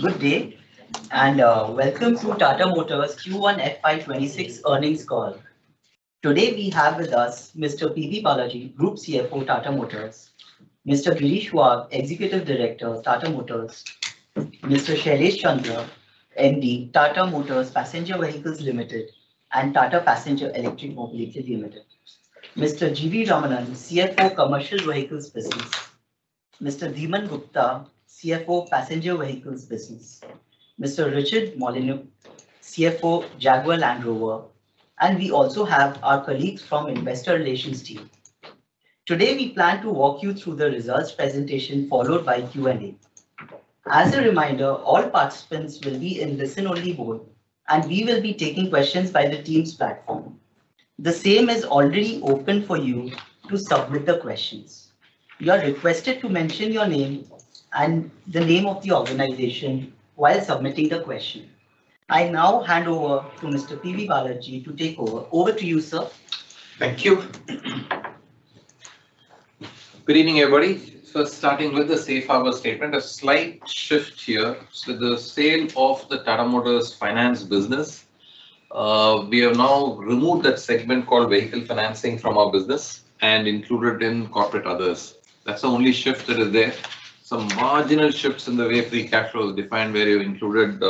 Good day, and welcome to Tata Motors Q1 FY 2026 earnings call. Today, we have with us Mr. P.B. Balaji, Group CFO, Tata Motors, Mr. Girish Wagh, Executive Director, Tata Motors, Mr. Shailesh Chandra, MD, Tata Motors Passenger Vehicles Ltd. and Tata Passenger Electric Mobility Ltd., Mr. GV Ramanan, CFO, Commercial Vehicles Business, Mr. Dhiman Gupta, CFO, Passenger Vehicles Business, Mr. Richard Molyneux, CFO, Jaguar Land Rover, and we also have our colleagues from the Investor Relations team. Today, we plan to walk you through the results presentation followed by Q&A. As a reminder, all participants will be in a listen-only mode, and we will be taking questions by the team's plan. The same is already open for you to submit the questions. You are requested to mention your name and the name of the organization while submitting the question. I now hand over to Mr. PB Balaji to take over. Over to you, sir. Thank you. Good evening, everybody. Starting with the Safe Harbor statement, a slight shift here to the sale of the Tata Motors Finance business. We have now removed that segment called vehicle financing from our business and included it in corporate others. That's the only shift that is there. Some marginal shifts in the way of the cash flow defined value included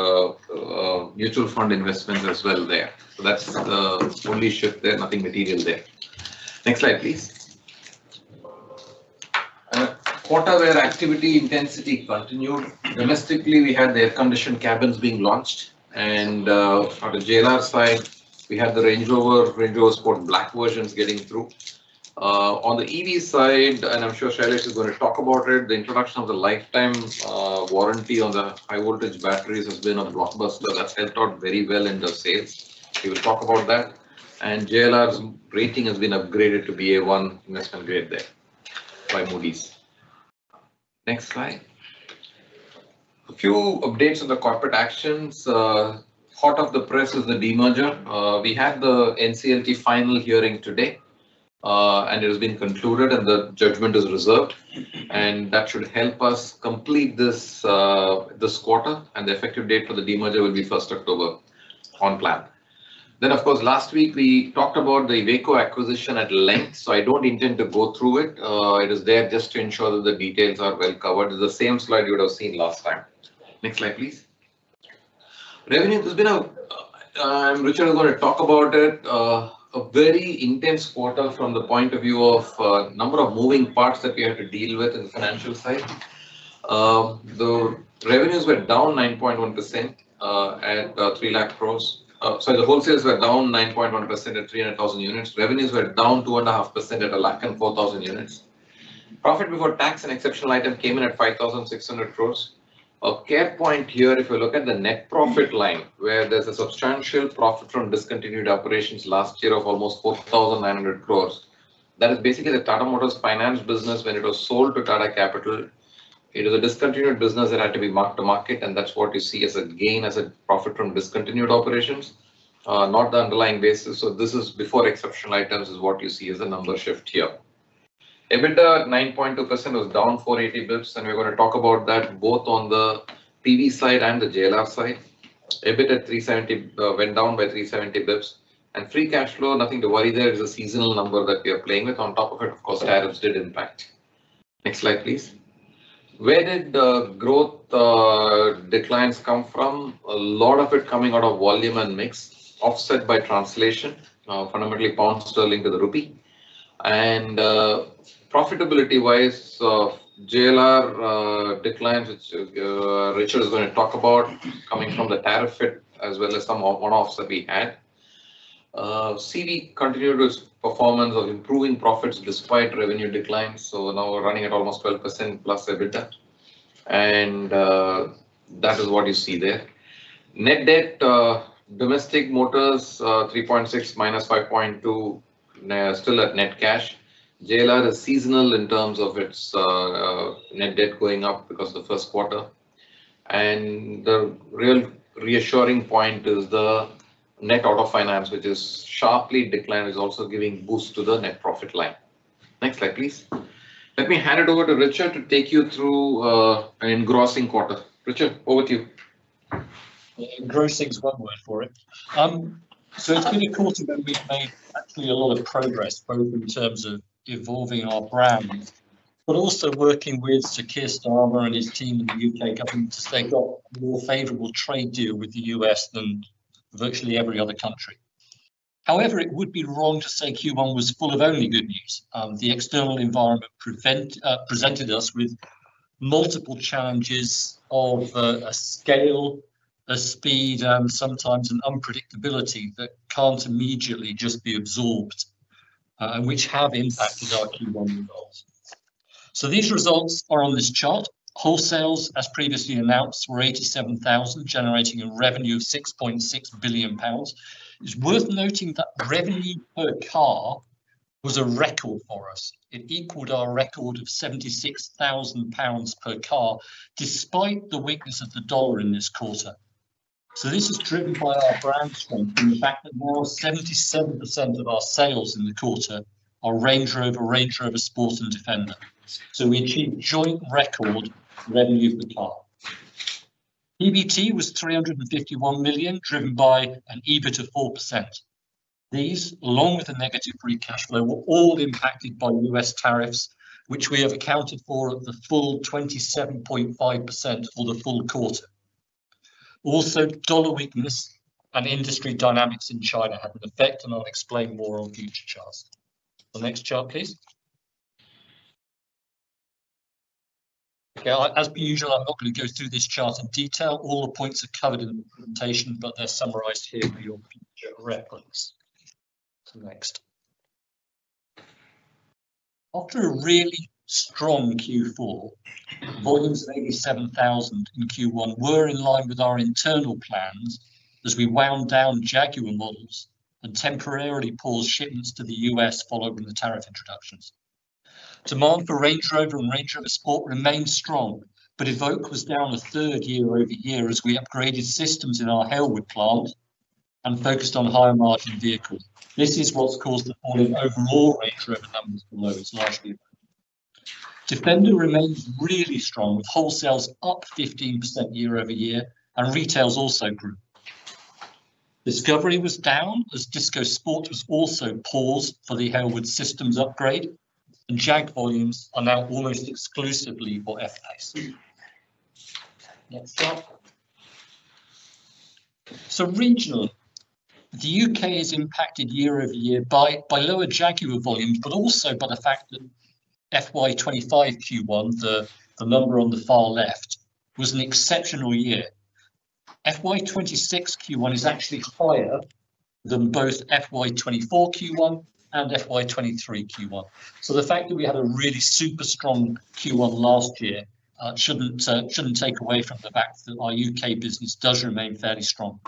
mutual fund investments as well. That's the only shift there, nothing material there. Next slide, please. Quarterware activity intensity continued. Domestically, we had the air-conditioned cabins being launched, and on the JLR side, we had the Range Rover, Range Rover Sport Black versions getting through. On the EV side, and I'm sure Shailesh is going to talk about it, the introduction of the lifetime battery warranty on the high-voltage batteries has been a blockbuster that's helped out very well in the sale. He will talk about that. JLR rating has been upgraded to BA1 investment grade by Moody’s. Next slide. A few updates on the corporate actions. Part of the press is the de-merger. We had the NCLT final hearing today, and it has been concluded and the judgment is reserved. That should help us complete this quarter, and the effective date for the de-merger will be 1st October on plan. Last week we talked about the Iveco acquisition at length, so I don't intend to go through it. It is there just to ensure that the details are well covered. The same slide you would have seen last time. Next slide, please. Revenues, I'm Richard, I'm going to talk about it. A very intense quarter from the point of view of a number of moving parts that we had to deal with in the financial side. The revenues were down 9.1% at 300,000 crore. Sorry, the wholesales were down 9.1% at 300,000 units. Revenues were down 2.5% at 104,000 crore. Profit before tax and exceptional item came in at 5,600 crore. A care point here, if you look at the net profit line, where there's a substantial profit from discontinued operations last year of almost 4,900 crore, that is basically the Tata Motors Finance business when it was sold to Tata Capital. It is a discontinued business that had to be marked to market, and that's what you see as a gain as a profit from discontinued operations, not the underlying basis. This is before exceptional items is what you see as a number shift here. EBITDA 9.2% was down 480 basis points, and we're going to talk about that both on the PV side and the JLR side. EBITDA 370 went down by 370 basis points, and free cash flow, nothing to worry there, is a seasonal number that we are playing with. On top of it, of course, tariffs did impact. Next slide, please. Where did the growth declines come from? A lot of it coming out of volume and mix offset by translation, fundamentally pound sterling to the rupee. Profitability-wise, JLR declines, which Richard is going to talk about, coming from the tariff hit as well as some one-offs that we had. Commercial Vehicles continued its performance of improving profits despite revenue declines. Now we're running at almost 12%+ EBITDA, and that is what you see there. Net debt, domestic motors, 3.6 crores-5.2 crores, still at net cash. JLR is seasonal in terms of its net debt going up because of the first quarter. The real reassuring point is the net out of finance, which is sharply declined, is also giving boost to the net profit line. Next slide, please. Let me hand it over to Richard to take you through an engrossing quarter. Richard, over to you. Grossing quarter for it. It's been a quarter that we've made a lot of progress both in terms of evolving our brand but also working with Sir Keir Starmer and his team in the U.K., having to say got a more favorable trade deal with the U.S. than virtually every other country. However, it would be wrong to say Q1 was full of only good news. The external environment presented us with multiple challenges of a scale, a speed, and sometimes an unpredictability that can't immediately just be absorbed, which have impacted our Q1 results. These results are on this chart. Wholesales, as previously announced, were 87,000, generating a revenue of £6.6 billion. It's worth noting that revenue per car was a record for us. It equaled our record of £76,000 per car despite the weakness of the dollar in this quarter. This is driven by our brand strength in the fact that more 77% of our sales in the quarter are Range Rover, Range Rover Sport, and Defender. We achieved a joint record revenue per car. EBT was £351 million, driven by an EBIT of 4%. These, along with a negative free cash flow, were all impacted by U.S. tariffs, which we have accounted for at the full 27.5% for the full quarter. Also, dollar weakness and industry dynamics in China had an effect, and I'll explain more on future charts. The next chart, please. As usual, I'll hopefully go through this chart in detail. All the points are covered in the presentation, but they're summarized here for your reference. Next. After a really strong Q4, volumes of 87,000 in Q1 were in line with our internal plans as we wound down Jaguar models and temporarily paused shipments to the U.S. following the tariff introductions. Demand for Range Rover and Range Rover Sport remains strong, but Evoque was down a third year over year as we upgraded systems in our Halewood plant and focused on higher margin vehicles. This is what's caused the volume overall rates for the lowest nice vehicle. Defender remains really strong with wholesales up 15% year-over-year, and retail's also growing. Discovery was down as Disco Sport was also paused for the Halewood systems upgrade, and Jag volumes are now almost exclusively for F-PACE. Next up. Regionally, the U.K. is impacted year over year by lower Jaguar volumes, but also by the fact that FT 2026 Q1, the number on the far left, was an exceptional year. FY 2026 Q1 is actually higher than both FY 2024 Q1 and FY 2023 Q1. The fact that we had a really super strong Q1 last year shouldn't take away from the fact that our U.K. business does remain fairly strong.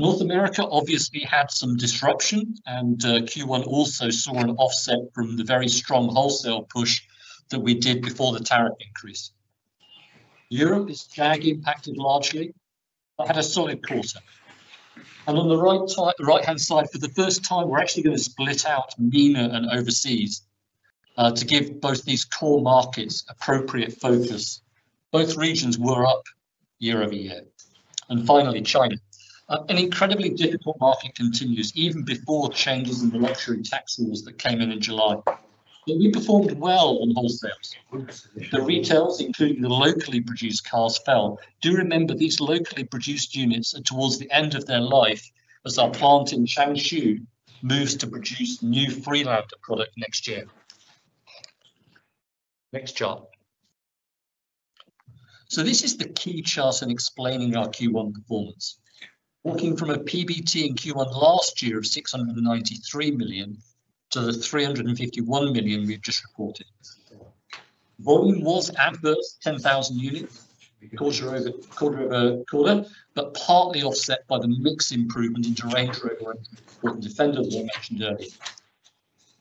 North America obviously had some disruption, and Q1 also saw an offset from the very strong wholesale push that we did before the tariff increase. Europe is Jag impacted largely, but had a solid quarter. On the right-hand side, for the first time, we're actually going to split out MENA and overseas to give both these core markets appropriate focus. Both regions were up year over year. Finally, China. An incredibly difficult market continues even before changes in the luxury tax rules that came in in July. We performed well on wholesales. The retails, including the locally produced cars, fell. Do remember these locally produced units are towards the end of their life as our plant in Changshou moves to produce new Freelander product next year. Next chart. This is the key chart in explaining our Q1 performance. Walking from a PBT in Q1 last year of £693 million to the £351 million we've just reported. Volume was adverse, 10,000 units in Q4, but partly offset by the mix improvement in Range Rover and Defender's long-distance journey.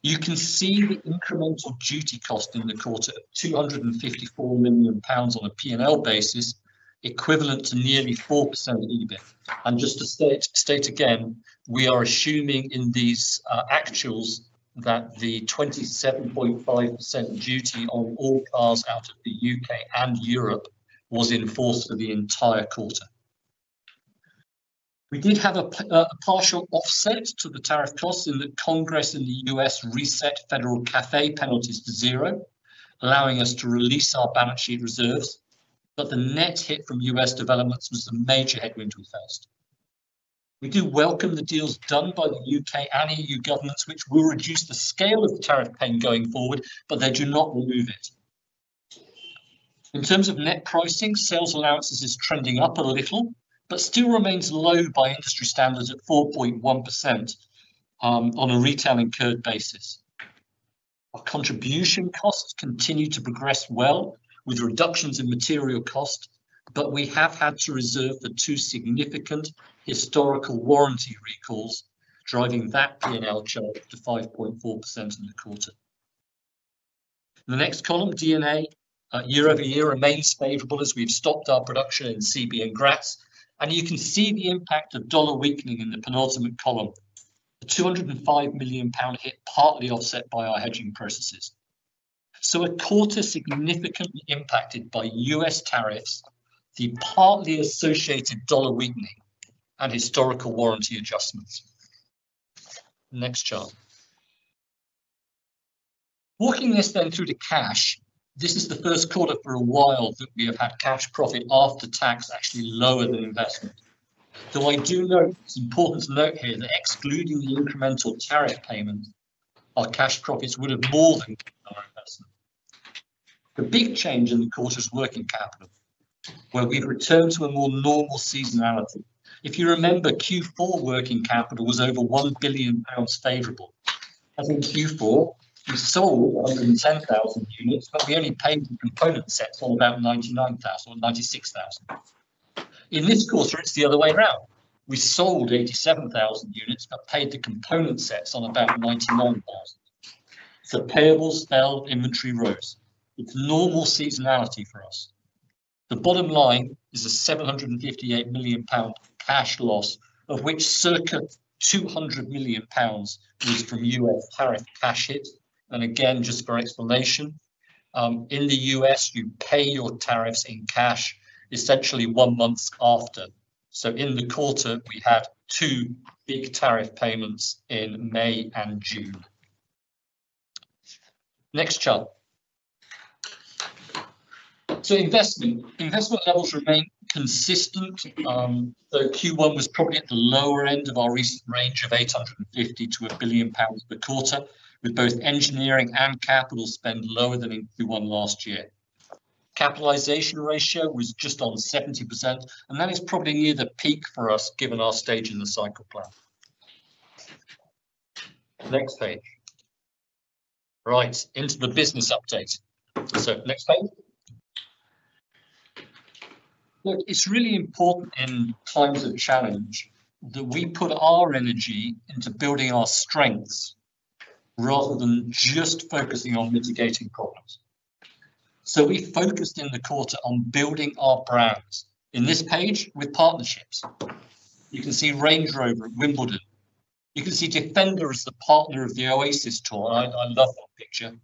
You can see the incremental duty cost in the quarter of £254 million on a P&L basis, equivalent to nearly 4% EBIT. Just to state again, we are assuming in these actuals that the 27.5% duty on all cars out of the U.K. and Europe was enforced for the entire quarter. We did have a partial offset to the tariff costs in that Congress in the U.S. reset federal CAFE penalties to zero, allowing us to release our balance sheet reserves, but the net hit from U.S. developments was a major headwind we faced. We do welcome the deals done by the U.K. and E.U. governments which will reduce the scale of the tariff pain going forward, but they do not remove it. In terms of net pricing, sales allowances are trending up a little, but still remains low by industry standards at 4.1% on a retail incurred basis. Our contribution costs continue to progress well with reductions in material costs, but we have had to reserve for two significant historical warranty recalls, driving that P&L chart to 5.4% in the quarter. The next column, DNA, year-over-year remains favorable as we've stopped our production in CBN grass, and you can see the impact of dollar weakening in the penultimate column. The £205 million hit partly offset by our hedging processes. A quarter significantly impacted by U.S. tariffs, the partly associated dollar weakening, and historical warranty adjustments. Next chart. Walking this then through to cash, this is the first quarter for a while that we have had cash profit after tax actually lower than investment. I do note, it's important to note here that excluding the incremental tariff payment, our cash profits would have more than cash profits. The big change in the quarter's working capital, where we've returned to a more normal seasonality. If you remember, Q4 working capital was over £1 billion favorable. As in Q4, we sold 110,000 units, but we only paid the component set for about £99,000 or £96,000. In this quarter, it's the other way round. We sold 87,000 units but paid the component sets on about £99,000. Payables fell, inventory rose. It's normal seasonality for us. The bottom line is a £758 million cash loss, of which circa £200 million is from U.S. tariff cash hits. Just for explanation, in the U.S., you pay your tariffs in cash essentially one month after. In the quarter, we had two big tariff payments in May and June. Next chart. Investment goals remain consistent. Q1 was probably at the lower end of our recent range of £850 million to £1 billion per quarter, with both engineering and capital spend lower than in Q1 last year. Capitalization ratio was just on 70%, and that is probably near the peak for us given our stage in the cycle plan. Next page. Right, into the business update. Next page. It's really important in times of challenge that we put our energy into building our strengths rather than just focusing on mitigating problems. We focused in the quarter on building our brands. In this page, with partnerships, you can see Range Rover at Wimbledon. You can see Defender as the partner of the Oasis Tour. I love that picture.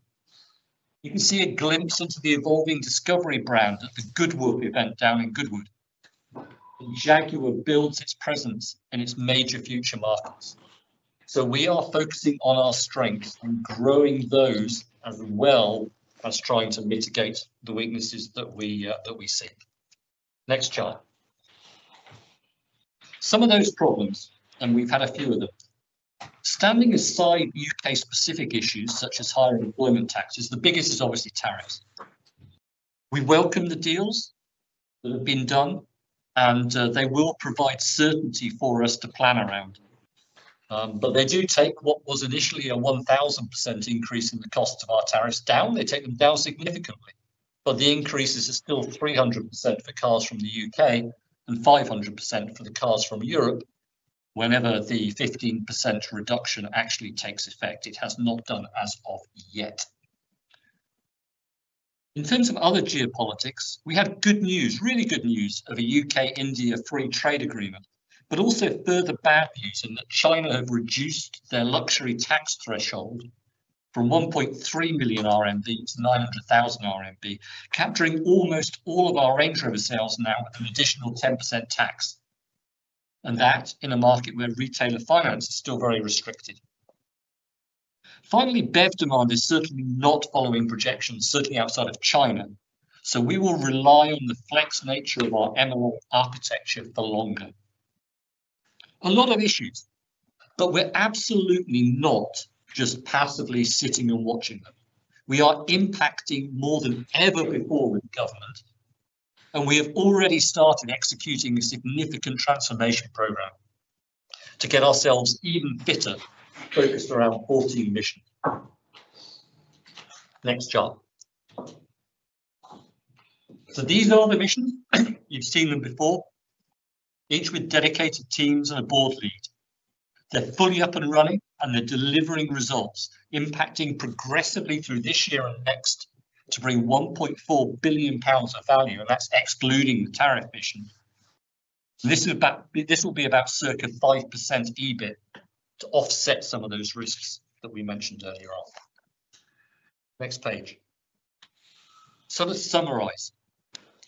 You can see a glimpse into the evolving Discovery brand at the Goodwood event down in Goodwood. Jaguar builds its presence and its major future markets. We are focusing on our strengths and growing those as well as trying to mitigate the weaknesses that we see. Next chart. Some of those problems, and we've had a few of them. Standing aside U.K.-specific issues such as higher employment taxes, the biggest is obviously tariffs. We welcome the deals that have been done, and they will provide certainty for us to plan around. They do take what was initially a 1,000% increase in the cost of our tariffs down. They take them down significantly, but the increases are still 300% for cars from the U.K. and 500% for the cars from Europe whenever the 15% reduction actually takes effect. It has not done as of yet. In terms of other geopolitics, we had good news, really good news of a U.K.-India free trade agreement, but also further bad news in that China have reduced their luxury tax threshold from 1.3 million RMB to 900,000 RMB, capturing almost all of our Range Rover sales now with an additional 10% tax. That is in a market where retailer finance is still very restricted. Finally, BEV demand is certainly not following projections, certainly outside of China. We will rely on the flex nature of our MO architecture for longer. A lot of issues, but we're absolutely not just passively sitting and watching them. We are impacting more than ever before with government, and we have already started executing a significant transformation program to get ourselves even fitter focused around 14 missions. Next chart. These are all the missions. You've seen them before, each with dedicated teams and a board lead. They're fully up and running, and they're delivering results, impacting progressively through this year and next to bring £1.4 billion of value, and that's excluding the tariff mission. This will be about circa 5% EBIT to offset some of those risks that we mentioned earlier on. Next page. To summarize,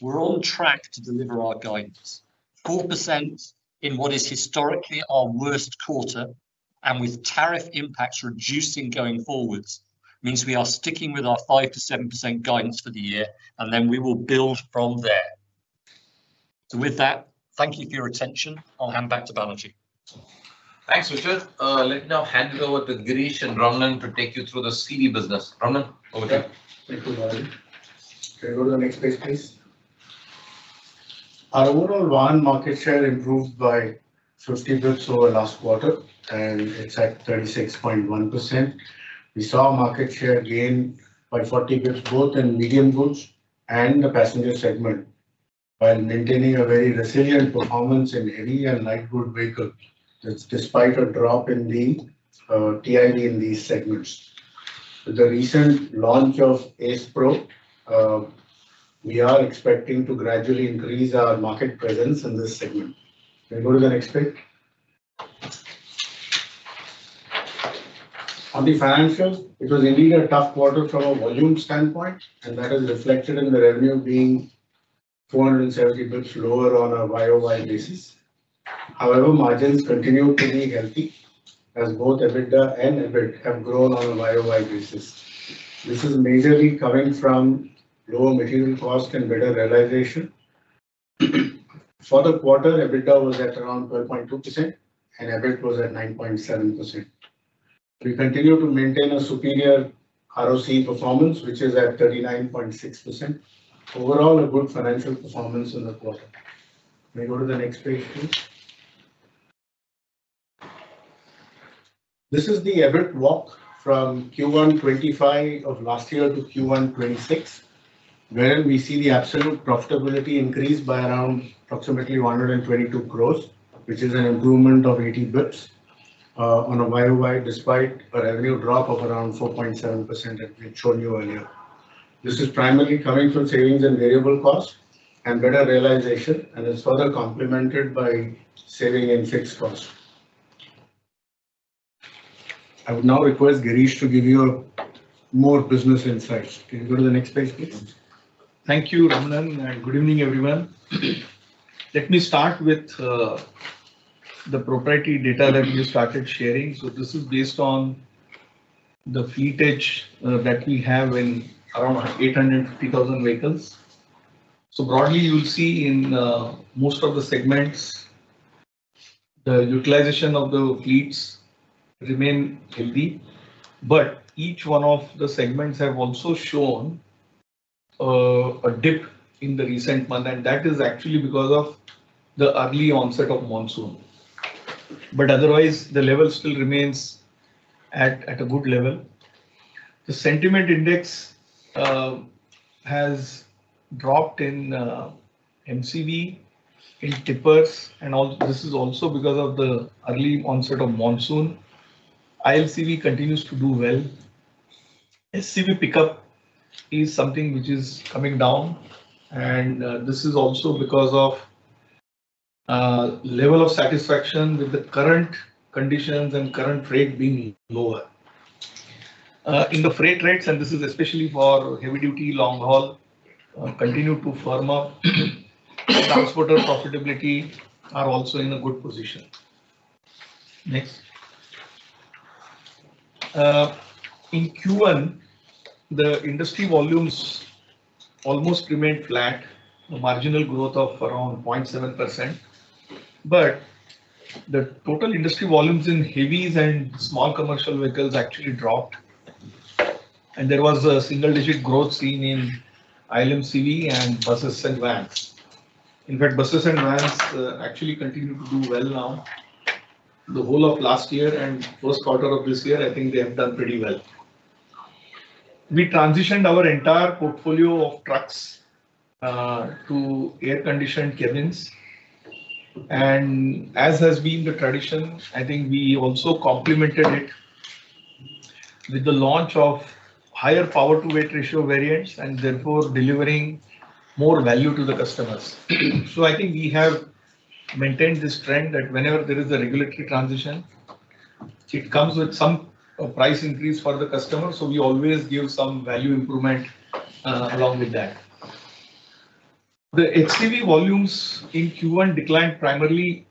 we're on track to deliver our guidance. 4% in what is historically our worst quarter, and with tariff impacts reducing going forwards, means we are sticking with our 5%-7% guidance for the year, and then we will build from there. With that, thank you for your attention. I'll hand back to Balaji. Thanks, Richard. Let me now hand it over to Girish and Ramanan to take you through the CV business. Ramanan, over to you. Thank you, Balaji. Okay, go to the next page, please. Our overall Vahan market share improved by 50 basis points over last quarter, and it's at 36.1%. We saw a market share gain by 40 basis points both in medium goods and the passenger segment while maintaining a very resilient performance in heavy and light good vehicles despite a drop in the TIV in these segments. With the recent launch of Ace Pro, we are expecting to gradually increase our market presence in this segment. Okay, go to the next page. On the financials, it was indeed a tough quarter from a volume standpoint, and that is reflected in the revenue being 470 crores lower on a YoY basis. However, margins continue to be healthy as both EBITDA and EBIT have grown on a YOY basis. This is majorly coming from lower material cost and better realization. For the quarter, EBITDA was at around 12.2% and EBIT was at 9.7%. We continue to maintain a superior ROCE performance, which is at 39.6%. Overall, a good financial performance in the quarter. Let me go to the next page for you. This is the EBIT walk from Q1 FT 2026 of last year to Q1 FY 2026, where we see the absolute profitability increase by around approximately 122 crores, which is an improvement of 80 basis points on a YoY despite a revenue drop of around 4.7% that we've shown you earlier. This is primarily coming from savings in variable cost and better realization, and it's further complemented by saving in fixed cost. I would now request Girish to give you more business insights. Can you go to the next page, please? Thank you, Ramanan, and good evening, everyone. Let me start with the proprietary data that we just started sharing. This is based on the fleet age that we have in around 850,000 vehicles. Broadly, you will see in most of the segments, the utilization of the fleets remains healthy, but each one of the segments has also shown a dip in the recent month, and that is actually because of the early onset of monsoon. Otherwise, the level still remains at a good level. The sentiment index has dropped in MCV, in Tippers, and all this is also because of the early onset of monsoon. ILCV continues to do well. SCV pickup is something which is coming down, and this is also because of level of satisfaction with the current conditions and current freight being lower. In the freight tracks, and this is especially for heavy duty, long haul, continue to firm up. Transported profitability is also in a good position. Next. In Q1, the industry volumes almost remained flat, a marginal growth of around 0.7%, but the total industry volumes in heavies and small commercial vehicles actually dropped, and there was a single-digit growth seen in ILMCV and buses and vans. In fact, buses and vans actually continue to do well now. The whole of last year and first quarter of this year, I think they have done pretty well. We transitioned our entire portfolio of trucks to air-conditioned cabins, and as has been the tradition, I think we also complemented it with the launch of higher power-to-weight ratio variants, therefore delivering more value to the customers. I think we have maintained this trend that whenever there is a regulatory transition, it comes with some price increase for the customer, so we always give some value improvement along with that. The HCV volumes in Q1 declined primarily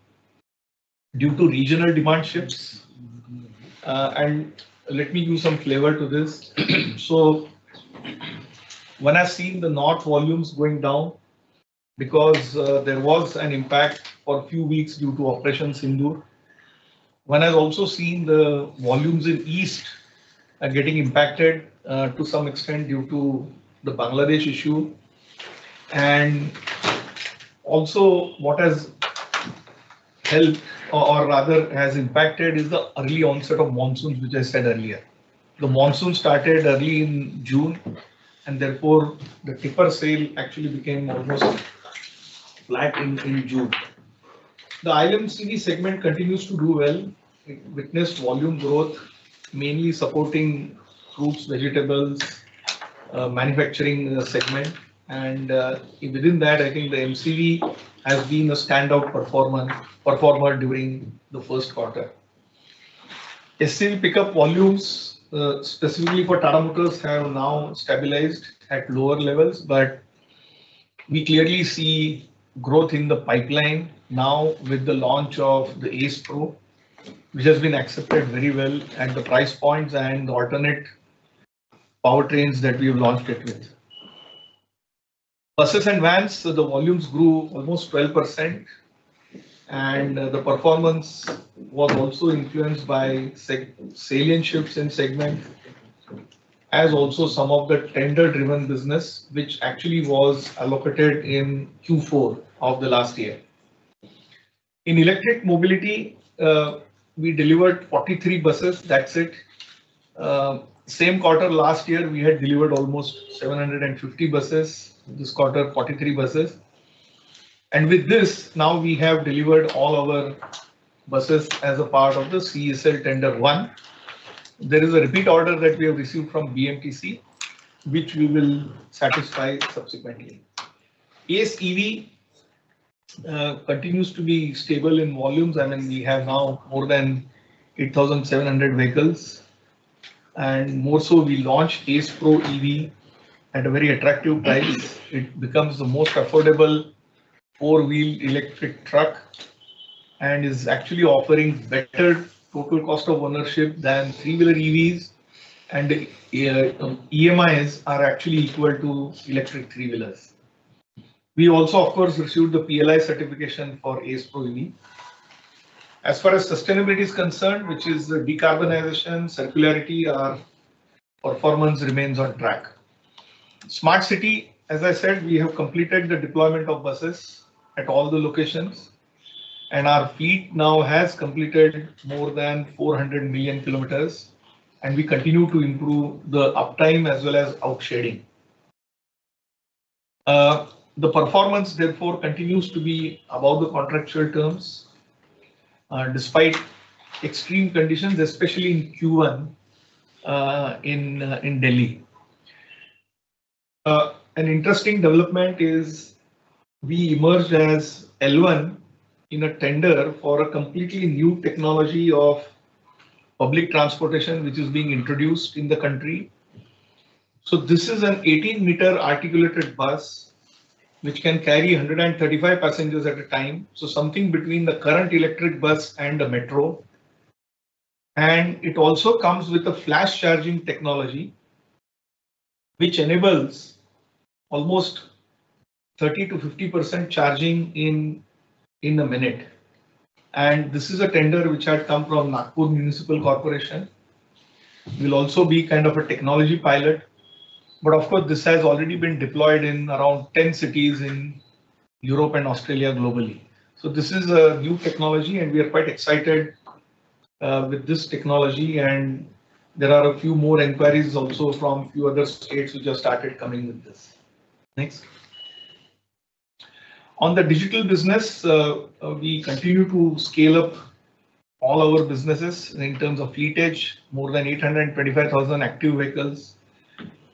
due to regional demand shifts, and let me give some flavor to this. When I've seen the north volumes going down because there was an impact for a few weeks due to operations in Operation Sindoor, I've also seen the volumes in east are getting impacted to some extent due to the Bangladesh issue, and also what has helped or rather has impacted is the early onset of monsoons, which I said earlier. The monsoon started early in June, and therefore the Tippers sale actually became almost flat in June. The ILMCV segment continues to do well. It witnessed volume growth, mainly supporting fruits, vegetables, manufacturing in the segment, and within that, I think the MCV has been a standout performer during the first quarter. SCV pickup volumes, specifically for Tata Motors, have now stabilized at lower levels, but we clearly see growth in the pipeline now with the launch of the Ace Pro, which has been accepted very well, and the price points and the alternate powertrains that we have launched it with. Buses and vans, the volumes grew almost 12%, and the performance was also influenced by salient shifts in segments, as also some of the tender-driven business, which actually was allocated in Q4 of the last year. In electric mobility, we delivered 43 buses. That's it. Same quarter last year, we had delivered almost 750 buses. This quarter, 43 buses. With this, now we have delivered all our buses as a part of the CECL tender one. There is a repeat order that we have received from BMTC, which we will satisfy subsequently. ACE EV continues to be stable in volumes, and we have now more than 8,700 vehicles, and more so, we launched ACE Pro EV at a very attractive price. It becomes the most affordable four-wheel electric truck and is actually offering better total cost of ownership than three-wheeler EVs, and the EMIs are actually equal to electric three-wheelers. We also, of course, received the PLI certification for ACE Pro EV. As far as sustainability is concerned, which is the decarbonization, circularity, our performance remains on track. Smart City, as I said, we have completed the deployment of buses at all the locations, and our fleet now has completed more than 400 million kilometers, and we continue to improve the uptime as well as outshading. The performance, therefore, continues to be above the contractual terms despite extreme conditions, especially in Q1 in Delhi. An interesting development is we emerged as L1 in a tender for a completely new technology of public transportation, which is being introduced in the country. This is an 18-meter articulated bus, which can carry 135 passengers at a time, something between the current electric bus and the metro, and it also comes with a flash charging technology, which enables almost 30%-50% charging in a minute. This is a tender which had come from Nagpur Municipal Corporation. We will also be kind of a technology pilot, but this has already been deployed in around 10 cities in Europe and Australia globally. This is a new technology, and we are quite excited with this technology, and there are a few more inquiries also from a few other states which have started coming with this. Next. On the digital business, we continue to scale up all our businesses in terms of Fleet Edge, more than 825,000 active vehicles,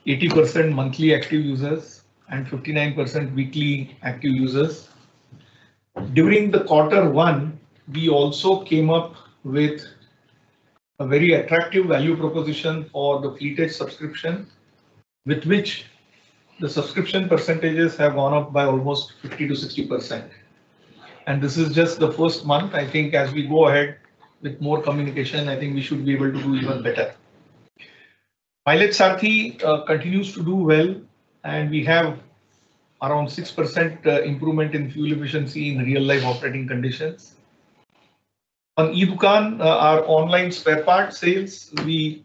80% monthly active users, and 59% weekly active users. During Q1, we also came up with a very attractive value proposition for the Fleet Edge subscription, with which the subscription percentages have gone up by almost 50%-60%. This is just the first month. I think as we go ahead with more communication, I think we should be able to do even better. Mileage Saarathi continues to do well, and we have around 6% improvement in fuel efficiency in real-life operating conditions. On E-Dukaan, our online spare parts sales, we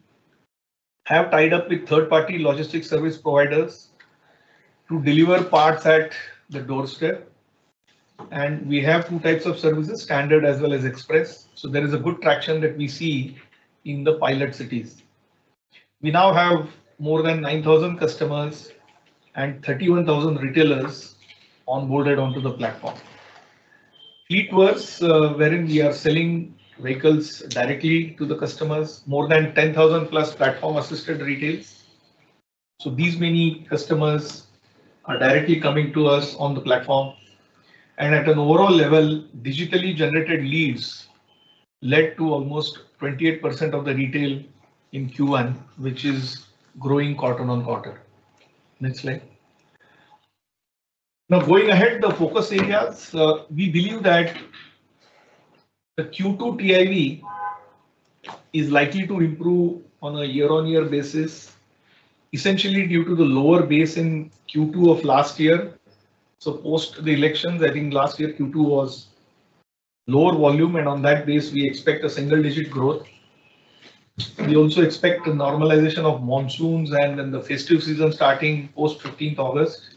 have tied up with third-party logistics service providers to deliver parts at the doorstep, and we have two types of services, standard as well as express. There is a good traction that we see in the pilot cities. We now have more than 9,000 customers and 31,000 retailers onboarded onto the platform. E-Dukaan, wherein we are selling vehicles directly to the customers, has more than 10,000+ platform-assisted retailers. These many customers are directly coming to us on the platform, and at an overall level, digitally generated leads led to almost 28% of the retail in Q1, which is growing quarter on quarter. Next slide. Now, going ahead to the focus areas, we believe that the Q2 TIV is likely to improve on a year-on-year basis, essentially due to the lower base in Q2 of last year. Post the elections, I think last year Q2 was lower volume, and on that base, we expect a single-digit growth. We also expect a normalization of monsoons and then the festive season starting post 15th August,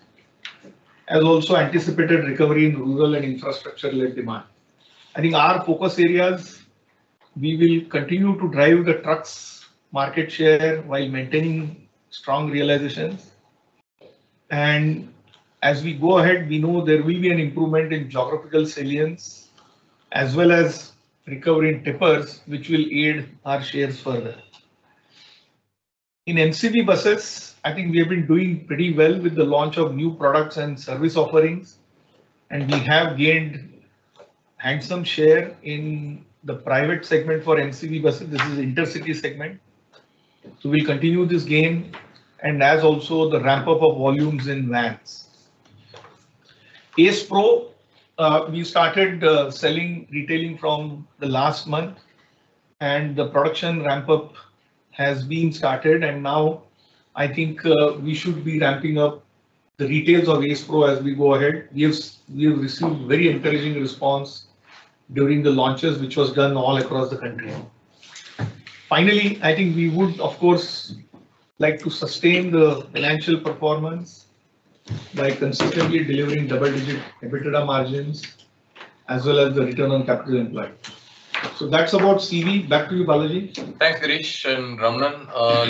as also anticipated recovery in rural and infrastructure-led demand. I think our focus areas, we will continue to drive the trucks' market share while maintaining strong realizations. As we go ahead, we know there will be an improvement in geographical salience as well as recovery in Tippers, which will aid our shares further. In NCV buses, I think we have been doing pretty well with the launch of new products and service offerings, and we have gained handsome share in the private segment for NCV buses. This is the intercity segment. We will continue this gain and also the ramp-up of volumes in vans. Ace Pro, we started selling retailing from the last month, and the production ramp-up has been started. Now, I think we should be ramping up the retails of Ace Pro as we go ahead. We have received a very encouraging response during the launches, which was done all across the country. Finally, I think we would, of course, like to sustain the financial performance by consistently delivering double-digit EBITDA margins as well as the return on capital employed. That's about CV. Back to you, Balaji. Thanks, Girish and Ramanan.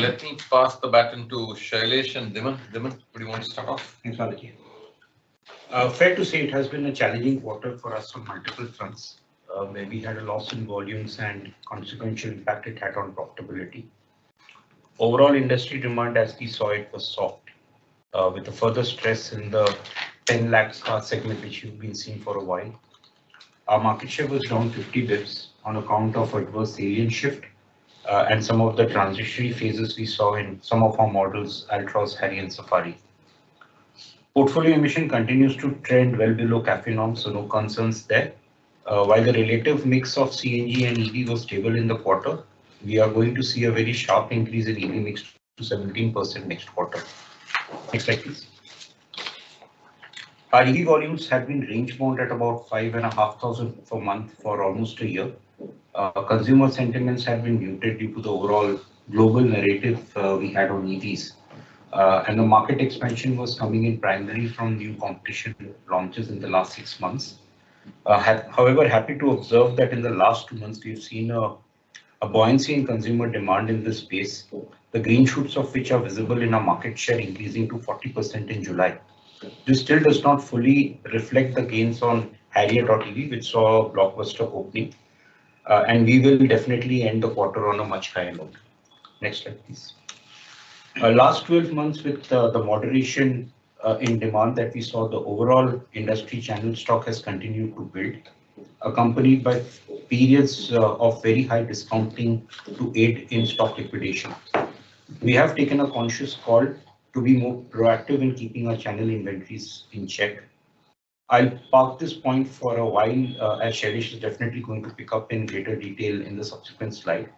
Let me pass the baton to Shailesh and Dhiman. Dhiman, do you want to start off? Thanks, Balaji. Fair to say it has been a challenging quarter for us from multiple fronts. We had a loss in volumes and consequential impact it had on profitability. Overall, industry demand, as we saw it, was soft, with a further stress in the 1 million car segment, which we've been seeing for a while. Our market share was around 50 basis points on account of adverse salience shift and some of the transitionary phases we saw in some of our models across Harrier and Safari. Portfolio emission continues to trend well below CAFE norm, so no concerns there. While the relative mix of CNG and EV was stable in the quarter, we are going to see a very sharp increase in EV mix to 17% next quarter. Next slide, please. Our EV volumes have been range bound at about 5,500 per month for almost a year. Consumer sentiments have been muted due to the overall global narrative we had on EVs, and the market expansion was coming in primarily from new competition launches in the last six months. However, happy to observe that in the last two months, we've seen a buoyancy in consumer demand in this space, the green shoots of which are visible in our market share increasing to 40% in July. This still does not fully reflect the gains on Harrier.ev, which saw a blockbuster opening, and we will definitely end the quarter on a much higher note. Next slide, please. Last 12 months, with the moderation in demand that we saw, the overall industry channel stock has continued to build, accompanied by periods of very high discounting to aid in stock liquidation. We have taken a conscious call to be more proactive in keeping our channel inventories in check. I'll park this point for a while, as Shailesh is definitely going to pick up in greater detail in the subsequent slide.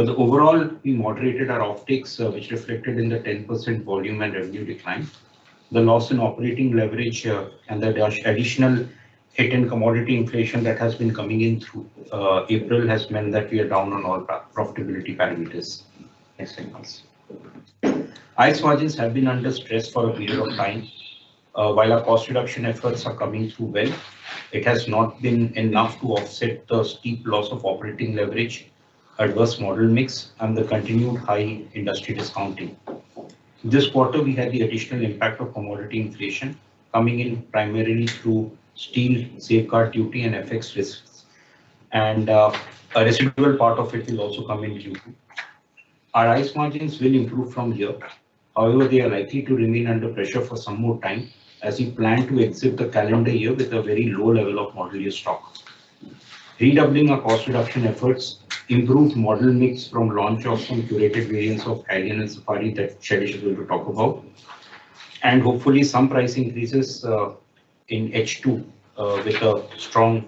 Overall, we moderated our offtakes, which reflected in the 10% volume and revenue decline. The loss in operating leverage and the large traditional hit and commodity inflation that has been coming in through April has meant that we are down on all profitability parameters. Next slide, please. ICE margins have been under stress for a period of time, while our cost reduction efforts are coming through well. It has not been enough to offset the steep loss of operating leverage, adverse model mix, and the continued high industry discounting. This quarter, we had the additional impact of commodity inflation coming in primarily through steel, safeguard duty, and FX risks, and a residual part of it will also come in Q3. Our ICE margins will improve from year. However, they are likely to remain under pressure for some more time as we plan to exit the calendar year with a very low level of moderated stock. Redoubling our cost reduction efforts, improved model mix from launch of some curated variants of Harrier and Safari that Shailesh will talk about, and hopefully some price increases in H2 with a strong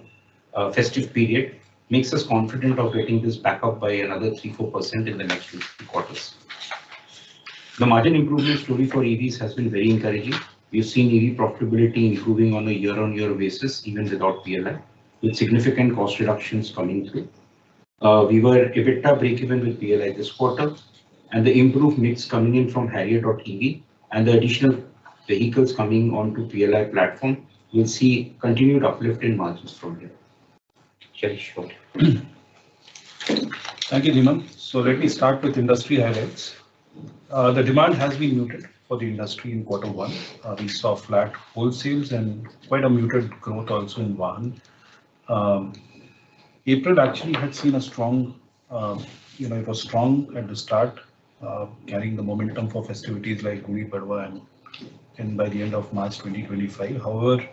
festive period makes us confident of getting this back up by another 3%-4% in the next few quarters. The margin improvement story for EVs has been very encouraging. We've seen EV profitability improving on a year-on-year basis, even without PLI, with significant cost reductions coming through. We were a bit break-even with PLI this quarter, and the improved mix coming in from Harrier.ev and the additional vehicles coming onto PLI platform will see continued uplift in margins from here. Shailesh. Thank you, Dhiman. Let me start with industry highlights. The demand has been muted for the industry in quarter one. We saw flat wholesales and quite a muted growth also in Vahan. April actually had seen a strong, you know, it was strong at the start, getting the momentum for festivities like Gudi Padwa and by the end of March 2025. However,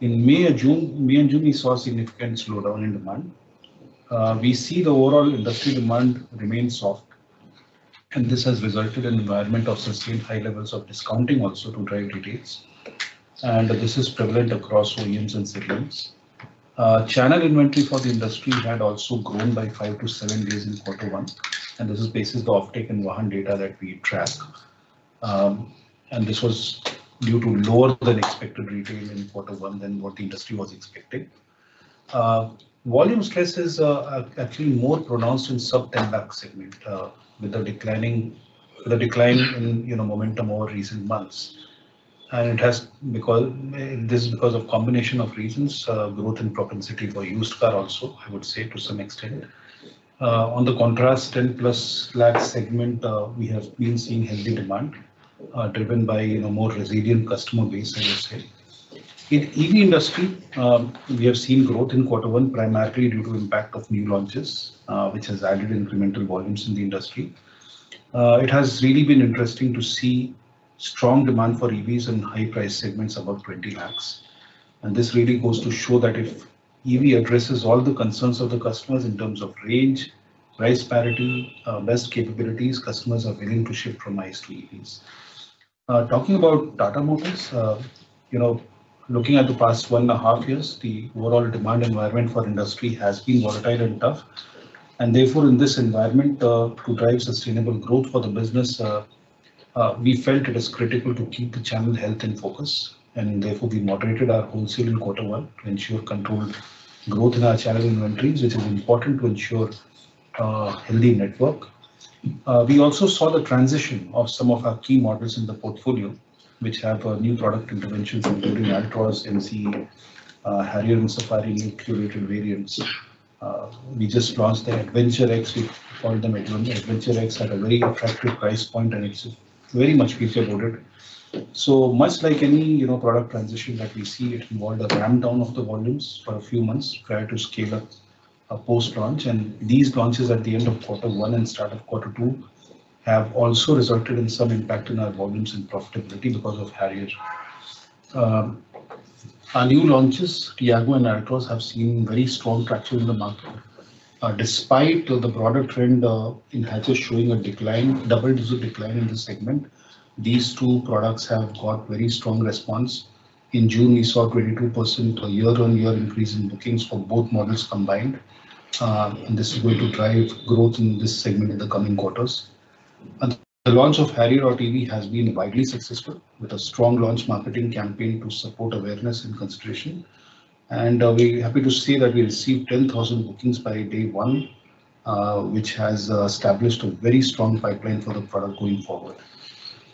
in May and June, we saw a significant slowdown in demand. We see the overall industry demand remains soft, and this has resulted in an environment of sustained high levels of discounting also to drive retails, and this is prevalent across OEMs and CMOs. Channel inventory for the industry had also grown by five to seven days in quarter one, and this is based on the offtake in Vahan data that we tracked, and this was due to lower than expected retail in quarter one than what the industry was expecting. Volume stress is actually more pronounced in sub- sub 10 lakh segment with a decline in momentum over recent months, and it has because this is because of a combination of reasons, growth in propensity for use car also, I would say to some extent. On the contrast, 10+ flat segment, we have been seeing healthy demand driven by more resilient customer base, as I said. In EV industry, we have seen growth in quarter one primarily due to the impact of new launches, which has added incremental volumes in the industry. It has really been interesting to see strong demand for EVs in high-priced segments above 20 lakhs and this really goes to show that if EV addresses all the concerns of the customers in terms of range, price parity, best capabilities, customers are willing to shift from ICE to EVs. Talking about Tata Motors, you know, looking at the past one and a half years, the overall demand environment for industry has been volatile and tough, and therefore in this environment to drive sustainable growth for the business, we felt it is critical to keep the channel health in focus, and therefore we moderated our wholesale in quarter one and ensured controlled growth in our channel inventories, which are important to ensure LED network. We also saw the transition of some of our key models in the portfolio, which have new product interventions including Altroz MCE, Harrier, and Safari in curated variants. We just launched their AdventureX. We followed them at AdventureX at a very attractive price point, and it's very much we feel about it. Much like any product transition that we see, it involved a ramp down of the volumes for a few months prior to scale-up post-launch, and these launches at the end of quarter one and start of quarter two have also resulted in some impact in our volumes and profitability because of Harrier. Our new launches, Tiago and Altroz, have seen very strong traction in the market. Despite the broader trend in hatches showing a decline, double-digit decline in this segment, these two products have got very strong response. In June, we saw a 22% year-on-year increase in bookings for both models combined, and this is going to drive growth in this segment in the coming quarters. The launch of Harrier.ev has been widely successful with a strong launch marketing campaign to support awareness and consideration, and we're happy to say that we received 10,000 bookings by day one, which has established a very strong pipeline for the product going forward.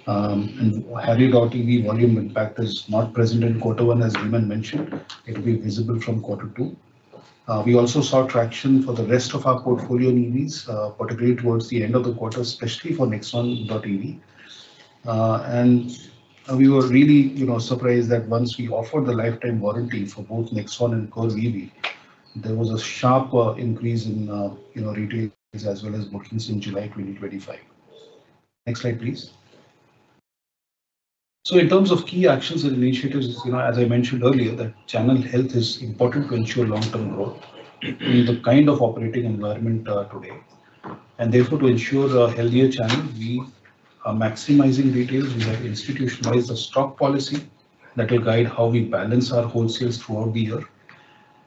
Harrier.ev volume impact is not present in quarter one, as Dhiman mentioned. It will be visible from quarter two. We also saw traction for the rest of our portfolio in EVs, particularly towards the end of the quarter, especially for Nexon.ev. We were really surprised that once we offered the lifetime battery warranty for both Nexon and Curvv ev, there was a sharp increase in retail as well as bookings in July 2025. In terms of key actions and initiatives, as I mentioned earlier, channel health is important to ensure long-term growth. We need the kind of operating environment today, and therefore, to ensure a healthier channel, we are maximizing retailers and have institutionalized a stock policy that will guide how we balance our wholesales throughout the year.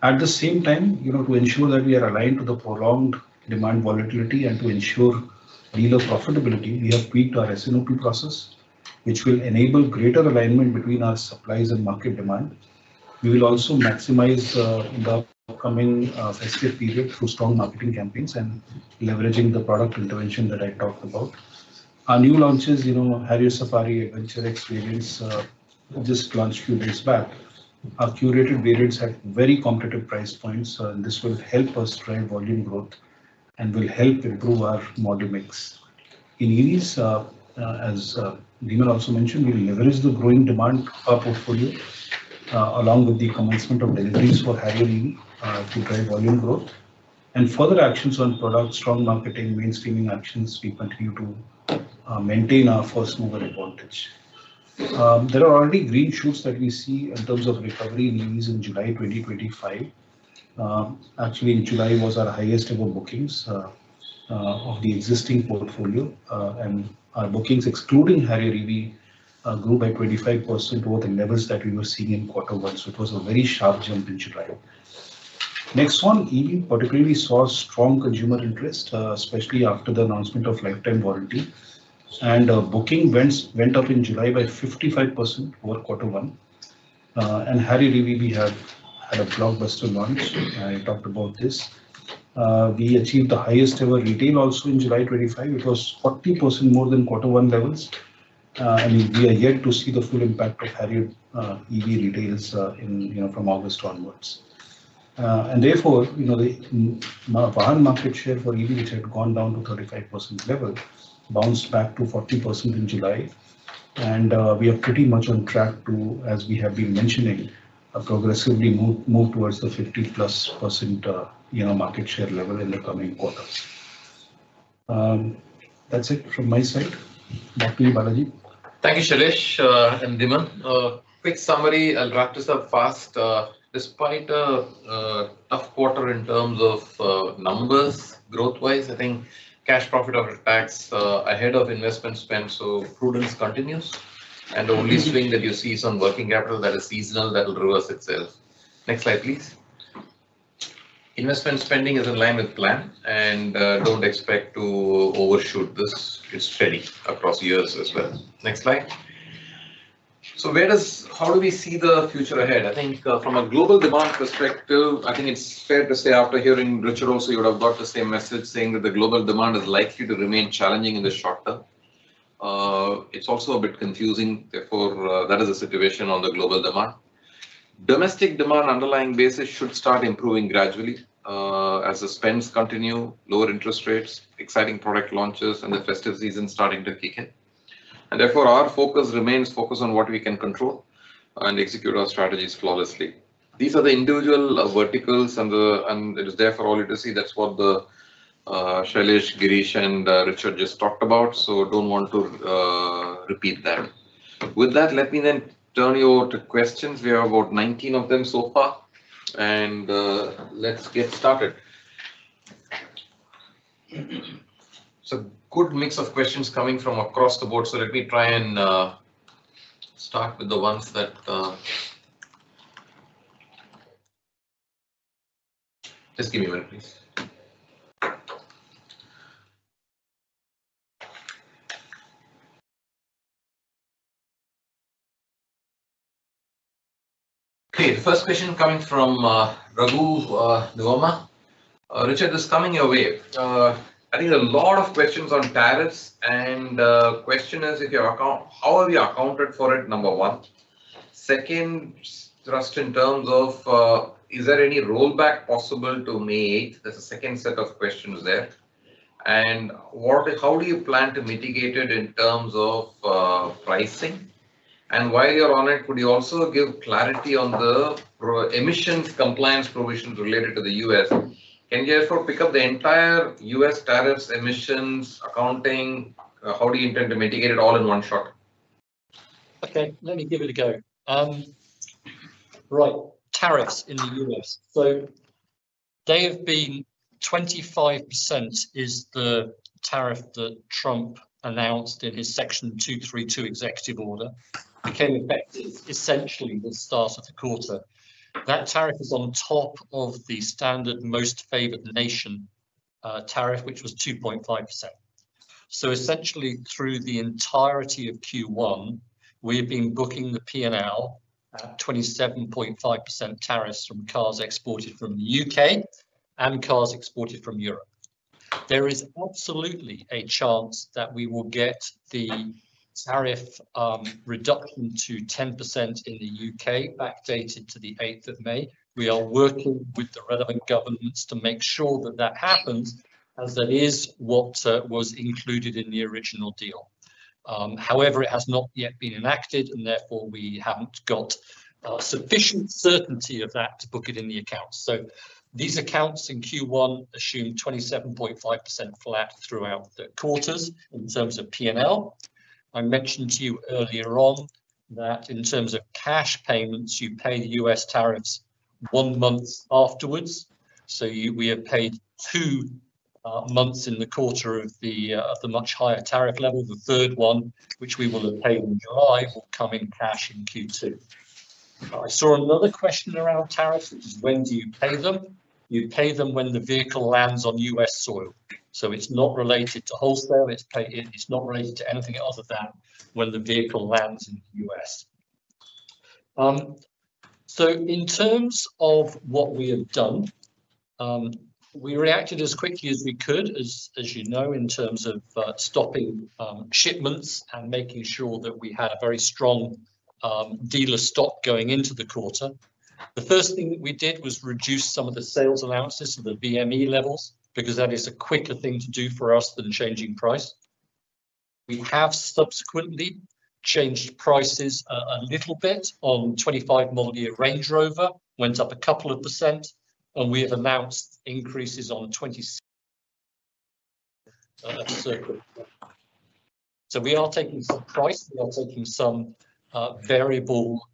At the same time, to ensure that we are aligned to the prolonged demand volatility and to ensure real profitability, we have tweaked our SNOP process, which will enable greater alignment between our supplies and market demand. We will also maximize in the upcoming festive period through strong marketing campaigns and leveraging the product intervention that I talked about. Our new launches, Harrier, Safari, AdventureX variants, just launched a few days back. Our curated variants have very competitive price points, and this will help us drive volume growth and will help improve our model mix. In EVs, as Dhiman also mentioned, we leverage the growing demand portfolio along with the commencement of deliveries for Harrier.ev to drive volume growth and further actions on product, strong marketing, and mainstreaming actions. We continue to maintain our first mover advantage. There are already green shoots that we see in terms of recovery in EVs in July 2024. Actually, July was our highest ever bookings of the existing portfolio, and our bookings, excluding Harrier.ev, grew by 25% over the levels that we were seeing in quarter one. It was a very sharp jump in July. Next on, EV particularly saw strong consumer interest, especially after the announcement of lifetime battery warranty, and bookings went up in July by 55% over quarter one. Harrier.ev, we have had a blockbuster launch. I talked about this. We achieved the highest ever retail also in July 2024. It was 40% more than quarter one levels, and we are yet to see the full impact of Harrier.ev retails from August onwards. Therefore, the overall market share for EV, which had gone down to 35% level, bounced back to 40% in July, and we are pretty much on track to, as we have been mentioning, progressively move towards the 50+% market share level in the coming quarters. That's it from my side. Back to you, Balaji. Thank you, Shailesh and Dhiman. Quick summary, I'll wrap this up fast. Despite a tough quarter in terms of numbers, growth-wise, I think cash profit after tax ahead of investment spend, so prudence continues. The only thing that you see is some working capital that is seasonal that will reverse itself. Next slide, please. Investment spending is in line with plan, and don't expect to overshoot this. It's steady across years as well. Next slide. Where does, how do we see the future ahead? I think from a global demand perspective, I think it's fair to say after hearing Richard also, you would have got the same message saying that the global demand is likely to remain challenging in the short term. It's also a bit confusing. Therefore, that is a situation on the global demand. Domestic demand underlying basis should start improving gradually as the spends continue, lower interest rates, exciting product launches, and the festive season starting to kick in. Therefore, our focus remains focused on what we can control and execute our strategies flawlessly. These are the individual verticals, and it is there for all you to see. That's what Shailesh, Girish, and Richard just talked about. Don't want to repeat that. With that, let me then turn you over to questions. We have about 19 of them so far, and let's get started. A good mix of questions coming from across the board. Let me try and start with the ones that... Excuse me, one please. Okay, first question coming from Raghu, Nuvama. Richard is coming your way. I think there are a lot of questions on tariffs, and the question is if you're how have you accounted for it, number one. Second, just in terms of is there any rollback possible to May 8th? There's a second set of questions there. How do you plan to mitigate it in terms of pricing? While you're on it, could you also give clarity on the emissions compliance provisions related to the U.S.? Can you just pick up the entire U.S. tariffs, emissions, accounting? How do you intend to mitigate it all in one shot? Okay, let me give it a go. Right, tariffs in the U.S. They've been 25% is the tariff that Trump announced in his Section 232 executive order that came effective essentially with the start of the quarter. That tariff is on top of the standard most favored nation tariff, which was 2.5%. Essentially through the entirety of Q1, we have been booking the P&L at 27.5% tariffs from cars exported from the U.K. and cars exported from Europe. There is absolutely a chance that we will get the tariff reduction to 10% in the U.K. backdated to the 8th of May. We are working with the relevant governments to make sure that that happens, as that is what was included in the original deal. However, it has not yet been enacted, and therefore we haven't got sufficient certainty of that to book it in the account. These accounts in Q1 assume 27.5% flat throughout the quarters in terms of P&L. I mentioned to you earlier on that in terms of cash payments, you pay the U.S. tariffs one month afterwards. We have paid two months in the quarter of the much higher tariff level, the third one, which we will have paid in July, come in cash in Q2. I saw another question around tariffs. When do you pay them? You pay them when the vehicle lands on U.S. soil. It's not related to wholesale. It's not related to anything other than that when the vehicle lands in the U.S. In terms of what we have done, we reacted as quickly as we could, as you know, in terms of stopping shipments and making sure that we had a very strong dealer stock going into the quarter. The first thing that we did was reduce some of the sales allowances to the VME levels because that is a quicker thing to do for us than changing price. We have subsequently changed prices a little bit on 25 model year Range Rover, went up a couple of percent, and we have announced increases on 26. We are taking some price and we are taking some variable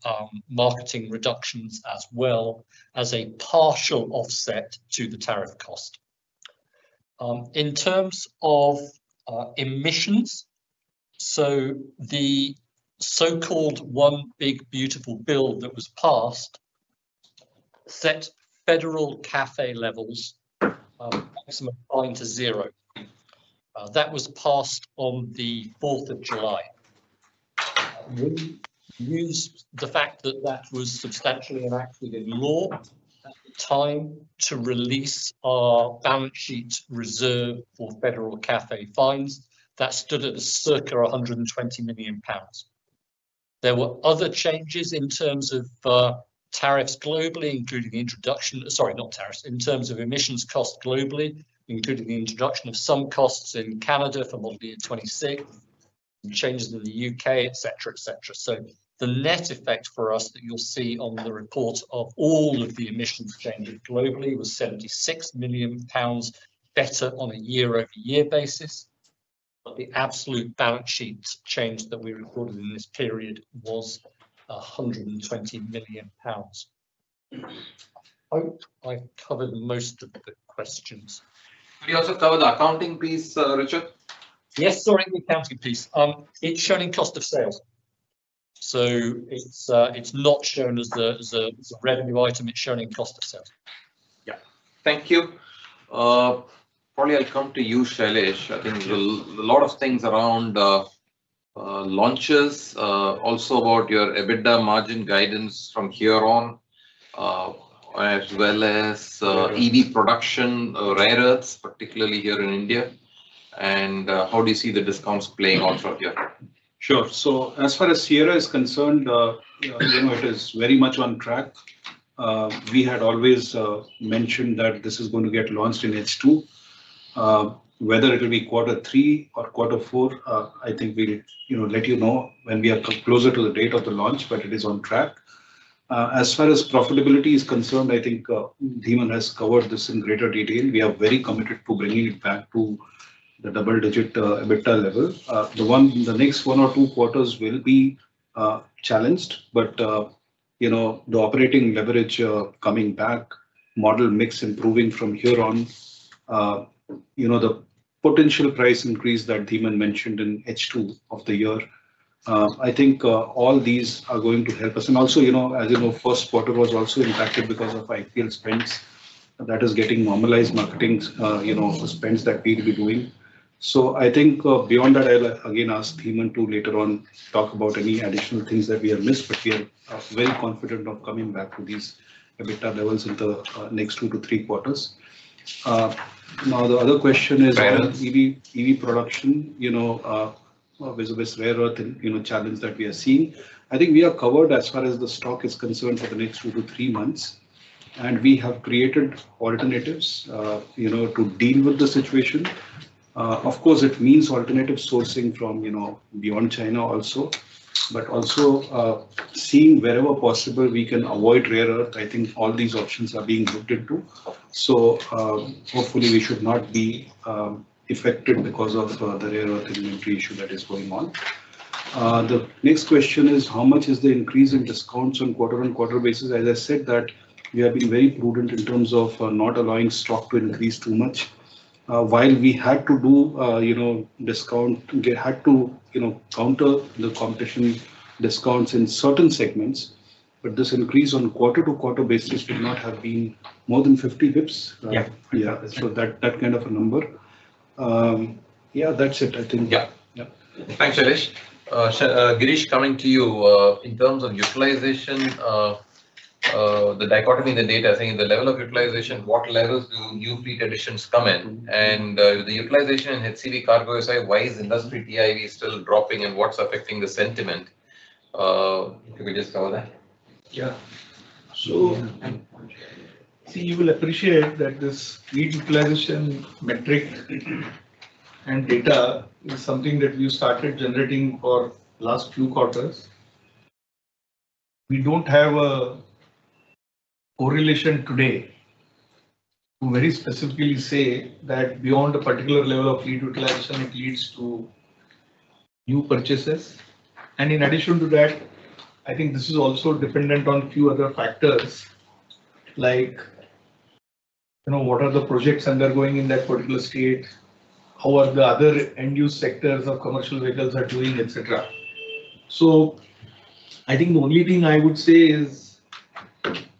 marketing reductions as well as a partial offset to the tariff cost. In terms of emissions, the so-called one big beautiful bill that was passed set federal CAFE levels some fine to zero. That was passed on the 4th of July. We used the fact that that was substantially enacted in law at the time to release our balance sheet reserve for federal CAFE fines, that stood at a circa £120 million. There were other changes in terms of tariffs globally, including the introduction, sorry, not tariffs, in terms of emissions costs globally, including the introduction of some costs in Canada for model year 2026, changes in the U.K., etc., etc. The net effect for us that you'll see on the report of all of the emissions changes globally was £76 million better on a year-over-year basis. The absolute balance sheet change that we recorded in this period was £120 million. I hope I've covered most of the questions. Can you also covered the accounting piece, Richard? Yes, sorry, the accounting piece. It's shown in cost of sales. It's not shown as a revenue item, it's shown in cost of sales. Yeah, thank you. Probably I'll come to you, Shailesh. I think a lot of things around launches, also about your EBITDA margin guidance from here on, as well as EV production rare earths, particularly here in India, and how do you see the discounts playing out from here? Sure. As far as Sierra is concerned, it is very much on track. We had always mentioned that this is going to get launched in H2. Whether it'll be quarter three or quarter four, I think we'll let you know when we are closer to the date of the launch, but it is on track. As far as profitability is concerned, I think Dhiman has covered this in greater detail. We are very committed to bringing it back to the double-digit EBITDA level. The next one or two quarters will be challenged, but the operating leverage coming back, model mix improving from here on, the potential price increase that Dhiman mentioned in H2 of the year, I think all these are going to help us. Also, as you know, first quarter was also impacted because of IPL spends. That is getting normalized, marketing spends that need to be doing. I think beyond that, I'll again ask Dhiman to later on talk about any additional things that we have missed, but we are very confident of coming back to these EBITDA levels in the next two to three quarters. Now, the other question is EV production, with this rare earth challenge that we are seeing. I think we are covered as far as the stock is concerned for the next two to three months, and we have created alternatives to deal with the situation. Of course, it means alternative sourcing from beyond China also, but also seeing wherever possible we can avoid rare earth. I think all these options are being looked into. Hopefully, we should not be affected because of the rare earth in the nucleation that is going on. The next question is, how much is the increase in discounts on quarter-on-quarter basis? As I said, we have been very prudent in terms of not allowing stock to increase too much. While we had to do discount, we had to counter the competition discounts in certain segments, but this increase on a quarter-to-quarter basis should not have been more than 50 basis points. Yeah, so that kind of a number. Yeah, that's it, I think. Yeah, yeah. Thanks, Shailesh. Girish, coming to you. In terms of utilization, the dichotomy in the data, saying the level of utilization, what levels do new utilizations come in? With the utilization in HCV, why is industry TIV still dropping and what's affecting the sentiment? Can we just cover that? Yeah. I see you will appreciate that this utilization metric and data is something that we've started generating for the last few quarters. We don't have a correlation today to very specifically say that beyond a particular level of utilization, it leads to new purchases. In addition to that, I think this is also dependent on a few other factors like, you know, what are the projects undergoing in that particular state, how the other end-use sectors of commercial vehicles are doing, etc. I think the only thing I would say is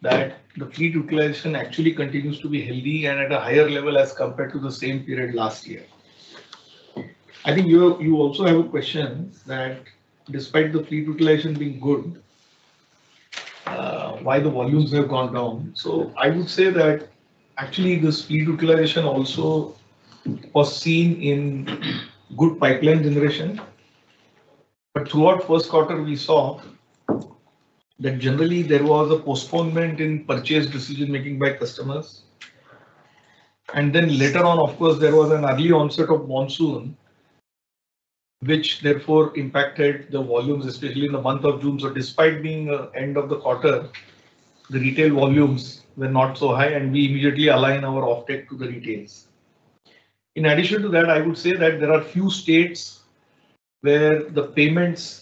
that the fleet utilization actually continues to be healthy and at a higher level as compared to the same period last year. I think you also have a question that despite the fleet utilization being good, why the volumes have gone down. I would say that actually this fleet utilization also was seen in good pipeline generation. Throughout the first quarter, we saw that generally there was a postponement in purchase decision-making by customers. Later on, of course, there was an early onset of monsoon, which therefore impacted the volumes, especially in the month of June. Despite being the end of the quarter, the retail volumes were not so high, and we immediately aligned our offtake to the retailers. In addition to that, I would say that there are a few states where the payments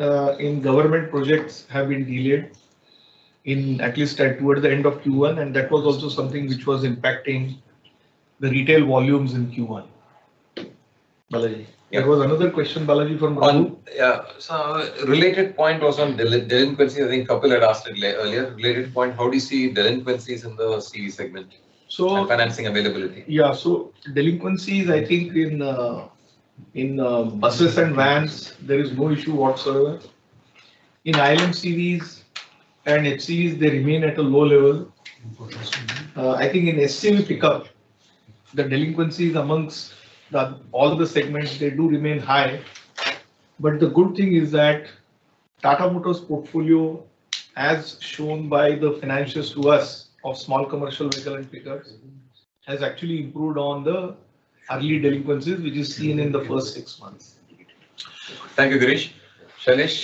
in government projects have been delayed at least toward the end of Q1, and that was also something which was impacting the retail volumes in Q1. Balaji. There was another question, Balaji, from who. Yeah, related point was on delinquencies. I think Kapil had asked it earlier. Related point, how do you see delinquencies in the SCV segment? Delinquencies, I think in the buses and vans, there is no issue whatsoever. In ILMCVs and HCVs, they remain at a low level. I think in SCV pickup, the delinquencies amongst all of the segments, they do remain high. The good thing is that Tata Motors' portfolio, as shown by the financials to us of small commercial reselling pickups, has actually improved on the early delinquencies, which is seen in the first six months. Thank you, Girish. Shailesh,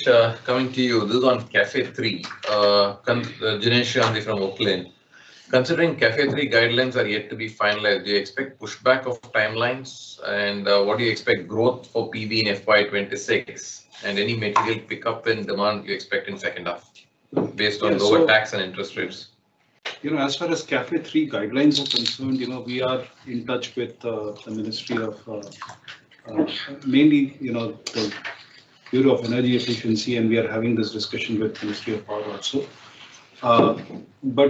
coming to you. This is on CAFE III. Jinesh Gandhi from Oaklane. Considering CAFE III guidelines are yet to be finalized, do you expect pushback of timelines? What do you expect growth for PV in FY 2026? Any material pickup in demand you expect in second half based on lower tax and interest rates? As far as CAFE II guidelines are concerned, we are in touch with the Ministry of, mainly, the Bureau of Energy Efficiency, and we are having this discussion with the Ministry of Power also.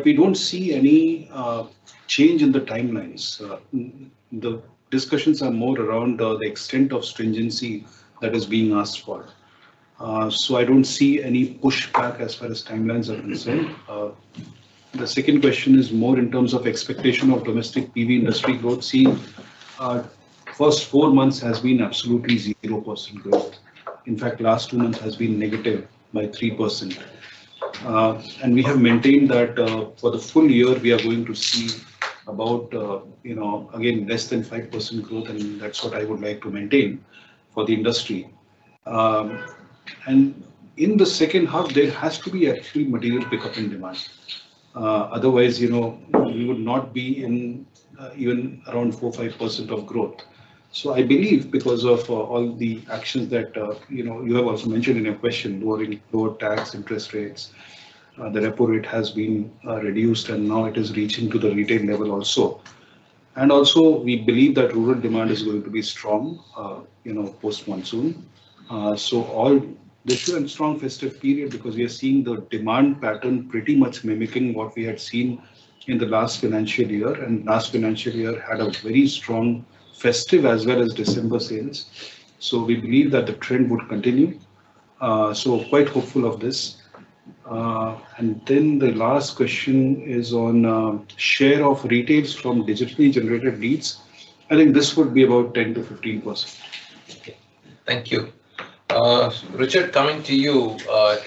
We don't see any change in the timelines. The discussions are more around the extent of stringency that is being asked for. I don't see any pushback as far as timelines are concerned. The second question is more in terms of expectation of domestic PV industry growth. The first four months have been absolutely 0% growth. In fact, last two months have been negative by 3%. We have maintained that for the full year, we are going to see about, again, less than 5% growth, and that's what I would like to maintain for the industry. In the second half, there has to be actually material pickup in demand. Otherwise, we will not be in even around 4%-5% of growth. I believe because of all the actions that you have also mentioned in your question, lower tax, interest rates, the repo rate has been reduced, and now it is reaching to the retail level also. We believe that rural demand is going to be strong post-monsoon. All different strong festive period because we are seeing the demand pattern pretty much mimicking what we had seen in the last financial year, and last financial year had a very strong festive as well as December sales. We believe that the trend would continue. Quite hopeful of this. The last question is on the share of retails from digitally generated leads. I think this would be about 10%-15%. Thank you. Richard, coming to you.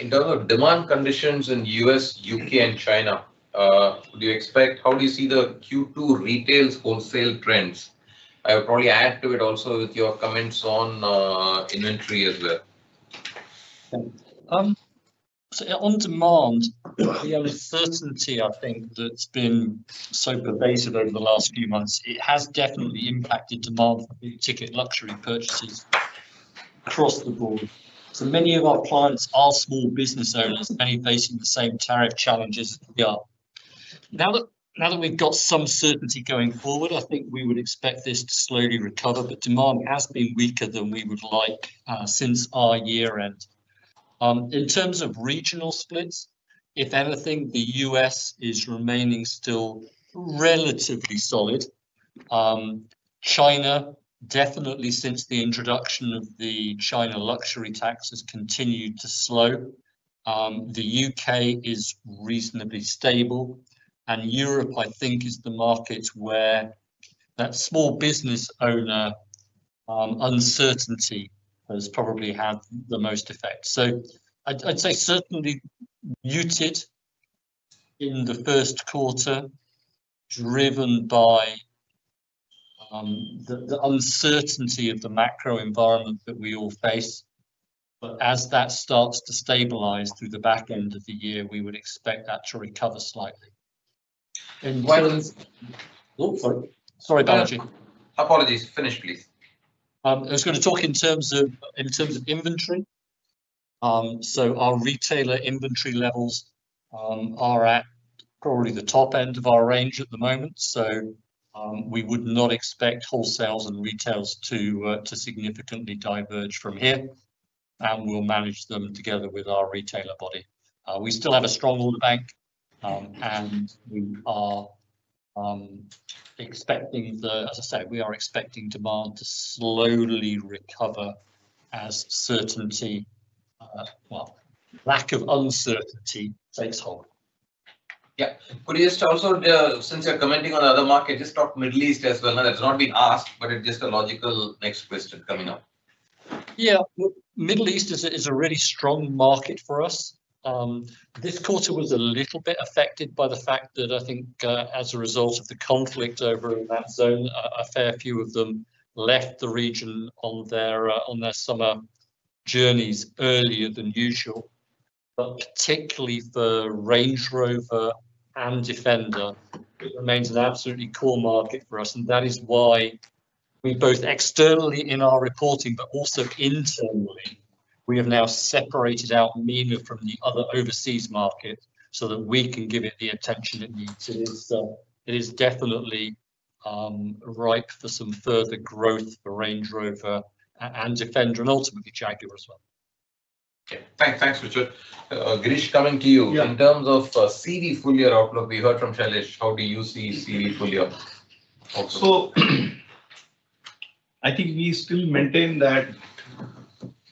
In terms of demand conditions in the U.S., U.K., and China, would you expect, how do you see the Q2 retails, wholesale trends? I would probably add to it also with your comments on inventory as well. On demand, we have a certainty, I think, that's been so pervasive over the last few months. It has definitely impacted demand for ticket luxury purchases across the board. Many of our clients are small business owners and facing the same tariff challenges as we are. Now that we've got some certainty going forward, I think we would expect this to slowly recover, but demand has been weaker than we would like since our year-end. In terms of regional splits, if anything, the U.S. is remaining still relatively solid. China definitely, since the introduction of the China luxury taxes, continued to slow. The U.K. is reasonably stable, and Europe, I think, is the market where that small business owner uncertainty has probably had the most effect. I'd say certainly muted in the first quarter, driven by the uncertainty of the macro environment that we all face. As that starts to stabilize through the back end of the year, we would expect that to recover slightly. Why don't you look for it? Sorry, Balaji. Apologies, finish, please. I was going to talk in terms of inventory. Our retailer inventory levels are at probably the top end of our range at the moment. We would not expect wholesales and retails to significantly diverge from here, and we'll manage them together with our retailer body. We still have a strong order bank, and we are expecting demand to slowly recover as lack of uncertainty takes hold. Yeah, it is. Since you're commenting on other markets, just talk Middle East as well. It's not been asked, but it's just a logical next question coming up. Yeah, Middle East is a really strong market for us. This quarter was a little bit affected by the fact that I think as a result of the conflict over in that zone, a fair few of them left the region on their summer journeys earlier than usual. Particularly for Range Rover and Defender, it remains an absolutely core market for us, and that is why we both externally in our reporting, but also informally, we have now separated out MENA from the other overseas markets so that we can give it the attention it needs. It is definitely ripe for some further growth for Range Rover and Defender, and ultimately Jaguar as well. Thanks, Richard. Girish, coming to you. In terms of CV fully outlook, we heard from Shailesh, how do you see CV fully out? I think we still maintain that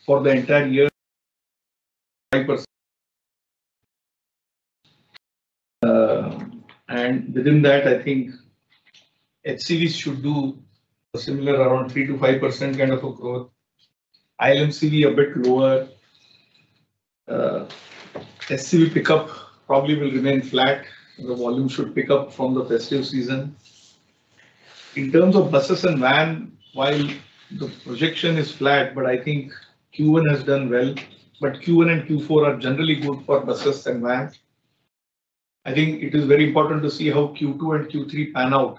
for the entire year, 9%. Within that, I think HCV should do a similar around 3 to 5% kind of a growth. ILMCV a bit lower. SCV pickup probably will remain flat. The volume should pick up from the festive season. In terms of buses and vans, while the projection is flat, I think Q1 has done well. Q1 and Q4 are generally good for buses and vans. It is very important to see how Q2 and Q3 pan out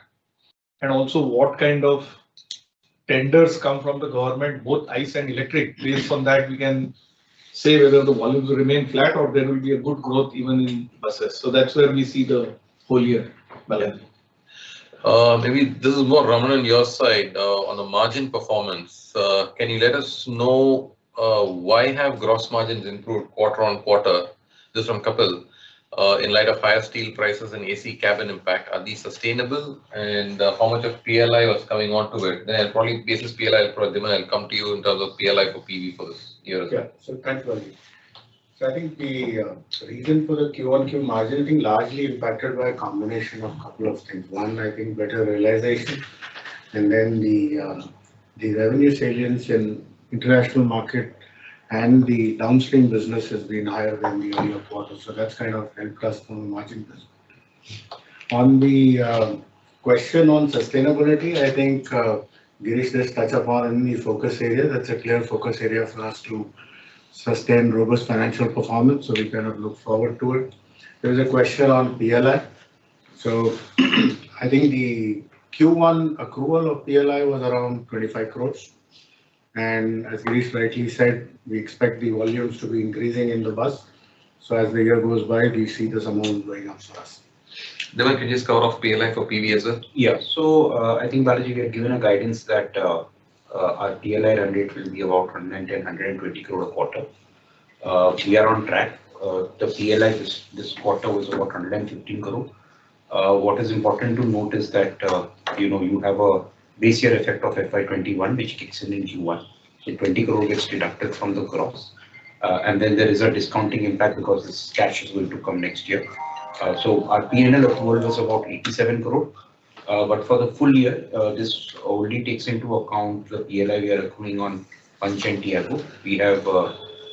and also what kind of tenders come from the government, both ICE and electric. Based on that, we can say whether the volumes will remain flat or there will be a good growth even in buses. That is where we see the full year, Balaji. Maybe this is more Ramanan on your side on the margin performance. Can you let us know why have gross margins improved quarter on quarter? This is from Kapil. In light of higher steel prices and AC cabin impact, are these sustainable and how much of PLI was coming onto it? Basically, PLI for Dhiman, I'll come to you in terms of PLI for PV for this year as well. Yeah, so thanks, Balaji. I think the reason for the Q1 EBIT margin has been largely impacted by a combination of a couple of things. One, better realization, and then the revenue salience in the international market and the downstream business has been higher than the earlier quarter. That's kind of helped us from a margin perspective. On the question on sustainability, I think Girish just touched upon any focus area. That's a clear focus area for us to sustain robust financial performance. We kind of look forward to it. There's a question on PLI. I think the Q1 accrual of PLI was around 25 crore, and as Girish rightly said, we expect the volumes to be increasing in the bus. As the year goes by, we see this amount going up for us. Dhiman, can you just cover off PLI for PV as well? Yeah, so, I think Balaji, we are given a guidance that our PLI run rate will be about 110 crore-120 crore a quarter. We are on track. The PLI this quarter was over 115 crore. What is important to note is that, you know, you have a base year effect of FY 2021, which kicks in in Q1. The 20 crore gets deducted from the gross, and then there is a discounting impact because this cash is willing to come next year. Our P&L accrual was about 87 crore. For the full year, this already takes into account the PLI we are accruing on Punch and Tiago. We have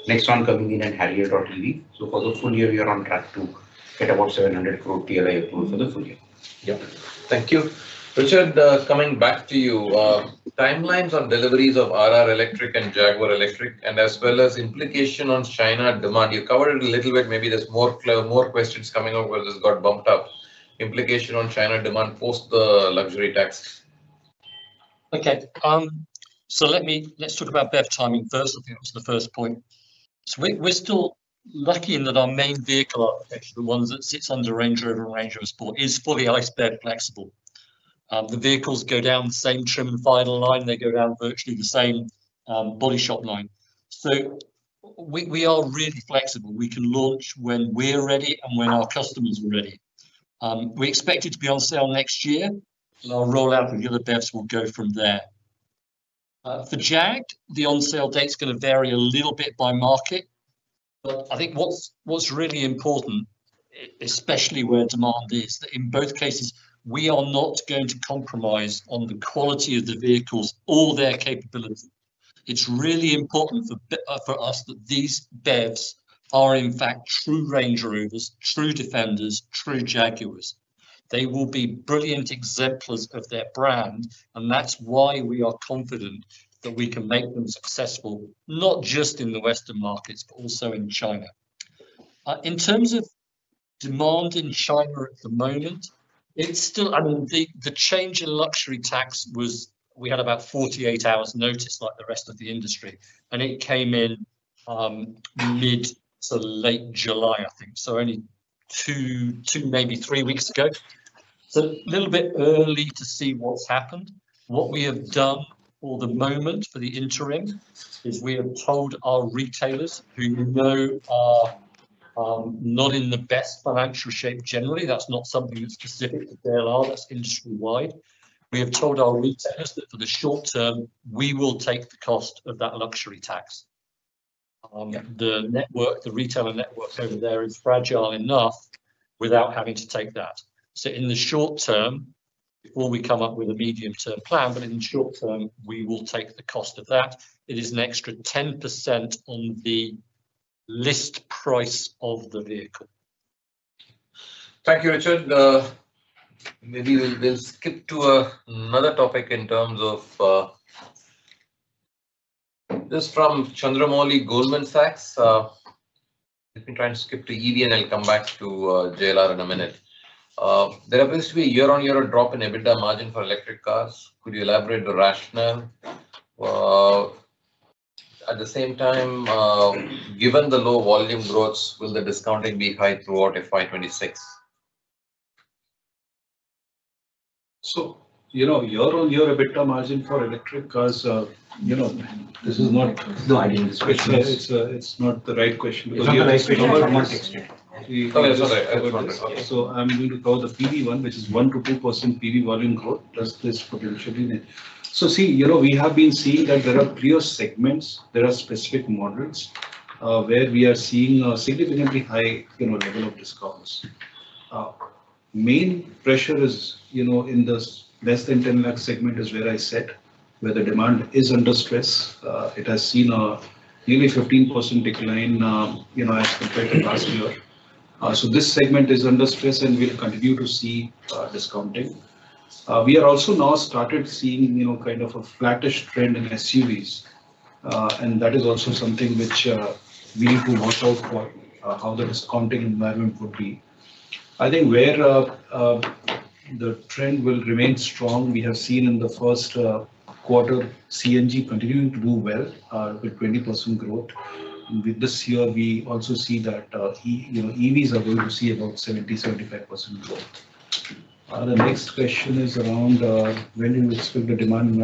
Nexon coming in and Harrier.ev. For the full year, we are on track to get about 700 crore PLI accrual for the full year. Yeah, thank you. Richard, coming back to you. Timelines on deliveries of RR Electric and Jaguar Electric, and as well as implication on China demand. You covered it a little bit. Maybe there's more questions coming up where this got bumped up. Implication on China demand post the luxury tax. Okay, let me just talk about that timing first. I think that was the first point. We're still lucky in that our main vehicle, actually the ones that sit under Range Rover and Range Rover, is fully ICE BEV flexible. The vehicles go down the same trim and final line. They go down virtually the same body shop line. We are really flexible. We can launch when we're ready and when our customers are ready. We expect it to be on sale next year, and our rollout with the other BEVs will go from there. For Jag, the on-sale date is going to vary a little bit by market. I think what's really important, especially where demand is, is that in both cases, we are not going to compromise on the quality of the vehicles or their capability. It's really important for us that these BEVs are in fact true Range Rovers, true Defenders, true Jaguars. They will be brilliant exemplars of their brand, and that's why we are confident that we can make them successful, not just in the Western markets, but also in China. In terms of demand in China at the moment, the change in luxury tax was we had about 48 hours notice, like the rest of the industry, and it came in mid to late July, I think. Only two, maybe three weeks ago. It's a little bit early to see what's happened. What we have done for the moment for the interim is we have told our retailers, who we know are not in the best financial shape generally. That's not something that's specific to LR, that's industry-wide. We have told our retailers that for the short term, we will take the cost of that luxury tax. The retailer network over there is fragile enough without having to take that. In the short term, before we come up with a medium-term plan, we will take the cost of that. It is an extra 10% on the list price of the vehicle. Thank you, Richard. Maybe we'll skip to another topic in terms of this from Chandramouli, Goldman Sachs. We can try and skip to EV and I'll come back to JLR in a minute. There appears to be a year-on-year drop in EBITDA margin for electric cars. Could you elaborate the rationale? At the same time, given the low volume growth, will the discounting be high throughout FY 2026? Year-on-year EBITDA margin for electric cars, you know, this is not... No, I didn't switch. It's not the right question. No, I switched. Go ahead, sorry. Go ahead, Balaji. I'm going to cover the PV one, which is 1%-2% PV volume growth plus this potential. You know, we have been seeing that there are prior segments, there are specific models where we are seeing a significantly high arrival of this car. Main pressure is, you know, in this less than 10 lakh segment is where I sit, where the demand is under stress. It has seen a nearly 15% decline, you know, as compared to last year. This segment is under stress and will continue to see discounting. We are also now started seeing, you know, kind of a flattish trend in SUVs. That is also something which we need to watch out for, how the discounting environment would be. I think where the trend will remain strong, we have seen in the first quarter CNG continuing to do well with 20% growth. With this year, we also see that, you know, EVs are going to see about 70%, 75% growth. The next question is around when we will split the demand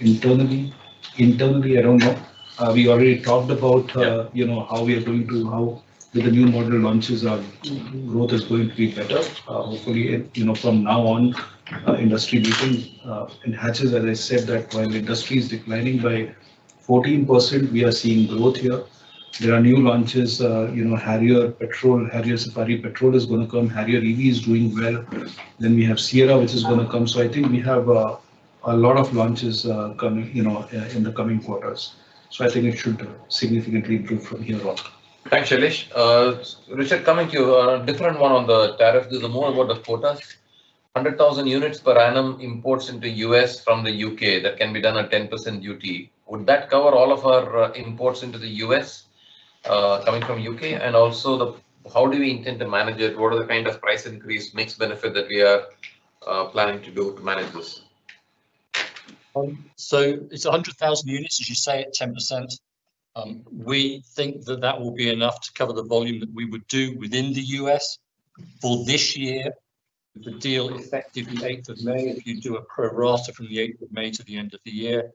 internally. Internally, I don't know. We already talked about, you know, how we are going to, how with the new model launches, our growth is going to be better. Hopefully, you know, from now on, industry beacon enhances. As I said, that while the industry is declining by 14%, we are seeing growth here. There are new launches, you know, Harrier Petrol, Harrier Safari Petrol is going to come. Harrier.ev is doing well. We have Sierra, which is going to come. I think we have a lot of launches coming, you know, in the coming quarters. I think it should significantly improve from here on. Thanks, Shailesh. Richard, coming to you, a different one on the tariffs, more about the quotas. 100,000 units per annum imports into the U.S. from the U.K. that can be done at 10% duty. Would that cover all of our imports into the U.S. coming from the U.K.? Also, how do we intend to manage it? What are the kind of price increase, mix benefit that we are planning to do to manage this? It's 100,000 units, as you say, at 10%. We think that will be enough to cover the volume that we would do within the U.S. for this year. The deal is effective 8th of May. If you do a crowd raster from the 8th of May to the end of the year,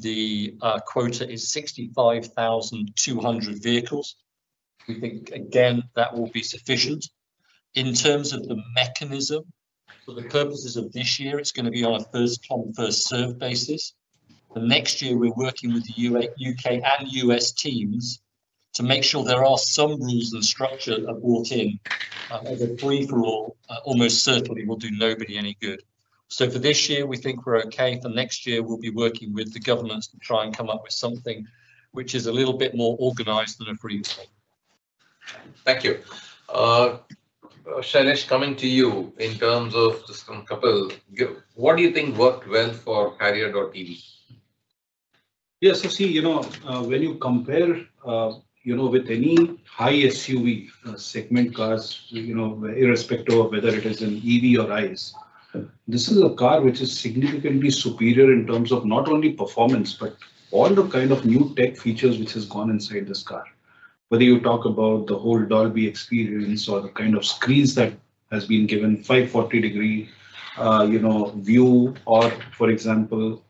the quota is 65,200 vehicles. We think, again, that will be sufficient. In terms of the mechanism, for the purposes of this year, it's going to be on a first-come, first-serve basis. Next year, we're working with the U.K. and U.S. teams to make sure there are some rules and structures of authority or the free-for-all almost certainly will do nobody any good. For this year, we think we're ok. For next year, we'll be working with the governments to try and come up with something which is a little bit more organized than a free-for-all. Thank you. Shailesh, coming to you, in terms of just a couple of, what do you think worked well for Harrier.ev? Yes, I see, you know, when you compare, you know, with any high SUV segment cars, you know, irrespective of whether it is an EV or ICE, this is a car which is significantly superior in terms of not only performance, but all the kind of new tech features which have gone inside this car. Whether you talk about the whole Dolby experience or the kind of screens that have been given, 540-degree, you know, view, or for example,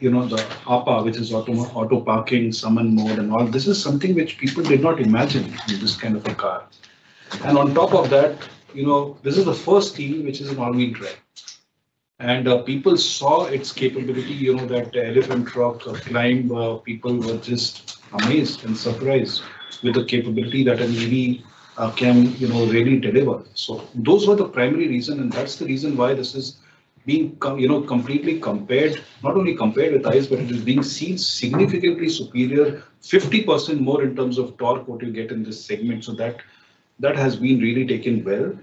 you know, the APA, which is auto parking, summon mode, and all, this is something which people did not imagine in this kind of a car. On top of that, you know, this is the first theme which is an all-wheel drive. People saw its capability, you know, that elephant truck flying, people were just amazed and surprised with the capability that an EV can, you know, really deliver. Those were the primary reasons, and that's the reason why this is being, you know, completely compared, not only compared with ICE, but it is being seen as significantly superior, 50% more in terms of torque what you get in this segment. That has been really taken well.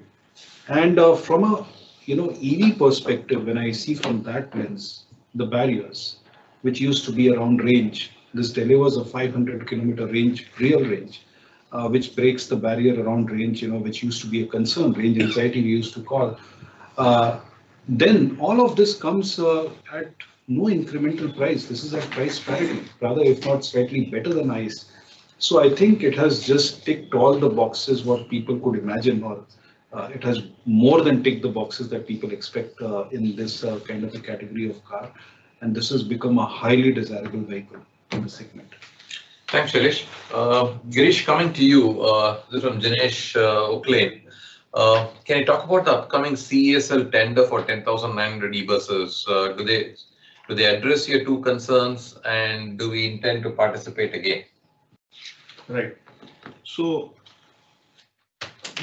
From a, you know, EV perspective, when I see from that lens, the barriers which used to be around range, this delivers a 500 km range, real range, which breaks the barrier around range, you know, which used to be a concern, range anxiety we used to call. All of this comes at no incremental price. This is at price parity, rather if not slightly better than ICE. I think it has just ticked all the boxes what people could imagine, or it has more than ticked the boxes that people expect in this kind of a category of car. This has become a highly desirable vehicle in the segment. Thanks, Shailesh. Girish, coming to you, this is from Jinesh Gandhi from Oaklane. Can you talk about the upcoming CSI tender for 10,900 e-buses? Do they address your two concerns? Do we intend to participate again? Right.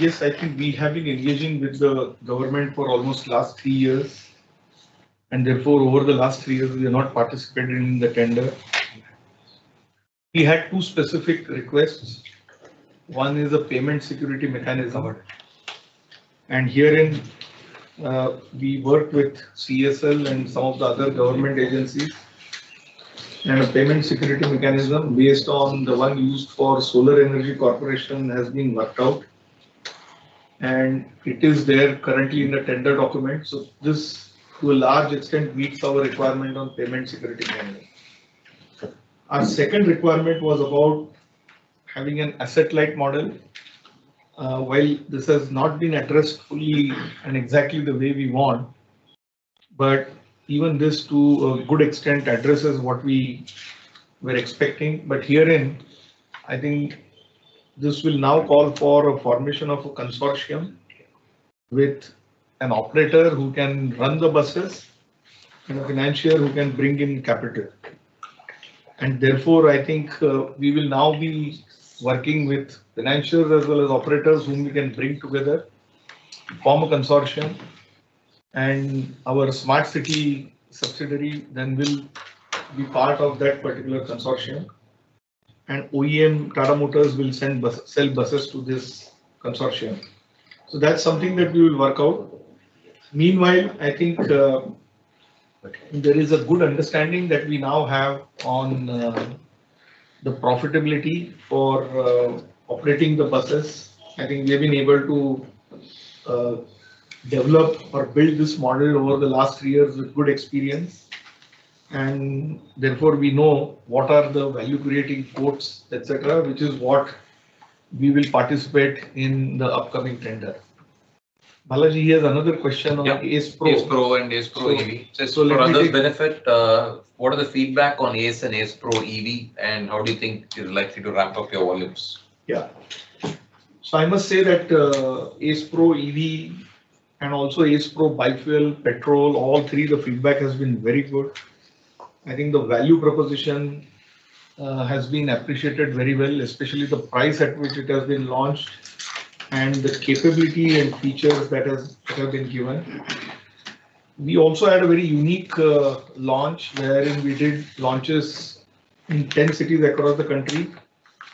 Yes, I think we have been engaging with the government for almost the last three years. Therefore, over the last three years, we have not participated in the tender. We had two specific requests. One is a payment security mechanism. Herein we worked with CESL and some of the other government agencies. A payment security mechanism based on the one used for Solar Energy Corporation has been worked out, and it is there currently in the tender document. This, to a large extent, meets our requirement on payment security handling. Our second requirement was about having an asset-light model. While this has not been addressed fully and exactly the way we want, even this, to a good extent, addresses what we were expecting. Herein, I think this will now call for a formation of a consortium with an operator who can run the buses and a financier who can bring in capital. Therefore, I think we will now be working with financiers as well as operators whom we can bring together to form a consortium. Our Smart City subsidiary then will be part of that particular consortium, and OEM Tata Motors will sell buses to this consortium. That's something that we will work out. Meanwhile, I think there is a good understanding that we now have on the profitability for operating the buses. I think we have been able to develop or build this model over the last three years with good experience. Therefore, we know what are the value-creating quotes, etc., which is what we will participate in the upcoming tender. Balaji has another question on the Ace Pro? Ace Pro and Ace Pro. For those benefits, what are the feedback on Ace and Ace Pro EV? How do you think you'd like to wrap up your volumes? Yeah. I must say that Ace Pro EV and also Ace Pro Bifuel Petrol, all three, the feedback has been very good. I think the value proposition has been appreciated very well, especially the price at which it has been launched and the capability and features that have been given. We also had a very unique launch wherein we did launches in 10 cities across the country.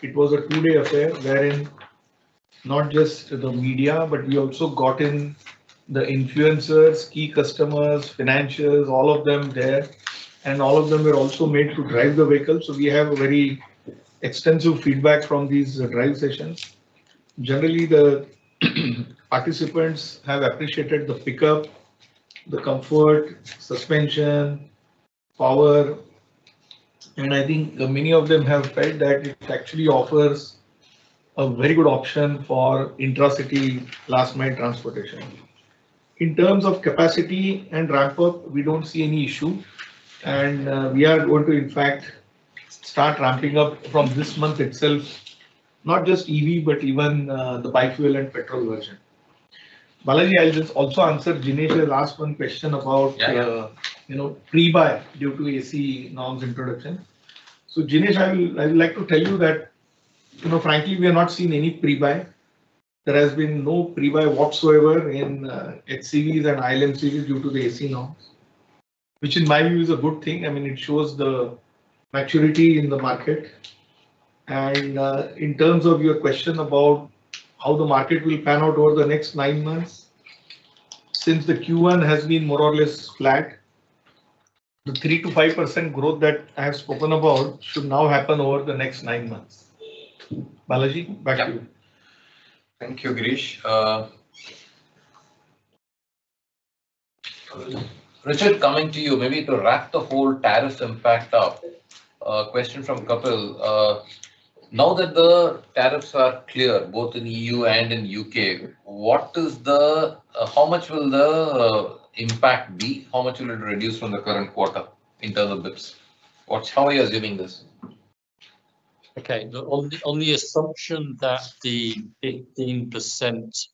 It was a three-day affair wherein not just the media, but we also got in the influencers, key customers, financiers, all of them there. All of them were also made to drive the vehicle. We have a very extensive feedback from these drive sessions. Generally, the participants have appreciated the pickup, the comfort, suspension, power. I think many of them have felt that it actually offers a very good option for intercity last-mile transportation. In terms of capacity and ramp-up, we don't see any issue. We are going to, in fact, start ramping up from this month itself, not just EV, but even the bifuel and petrol version. Balaji also answered Dinesh's last one question about, you know, pre-buy due to AC norms introduction. Dinesh, I would like to tell you that, you know, frankly, we have not seen any pre-buy. There has been no pre-buy whatsoever in its series and island series due to the AC norms, which in my view is a good thing. It shows the maturity in the market. In terms of your question about how the market will pan out over the next nine months, since the Q1 has been more or less flat, the 3%-5% growth that I have spoken about should now happen over the next nine months. Balaji, back to you. Thank you, Girish. Richard, coming to you, maybe to wrap the whole tariffs impact up, a question from a couple. Now that the tariffs are clear, both in the E.U. and in the U.K., what is the, how much will the impact be? How much will it reduce from the current quarter in terms of basis points? How are you assuming this? Okay. The only assumption is that the 18%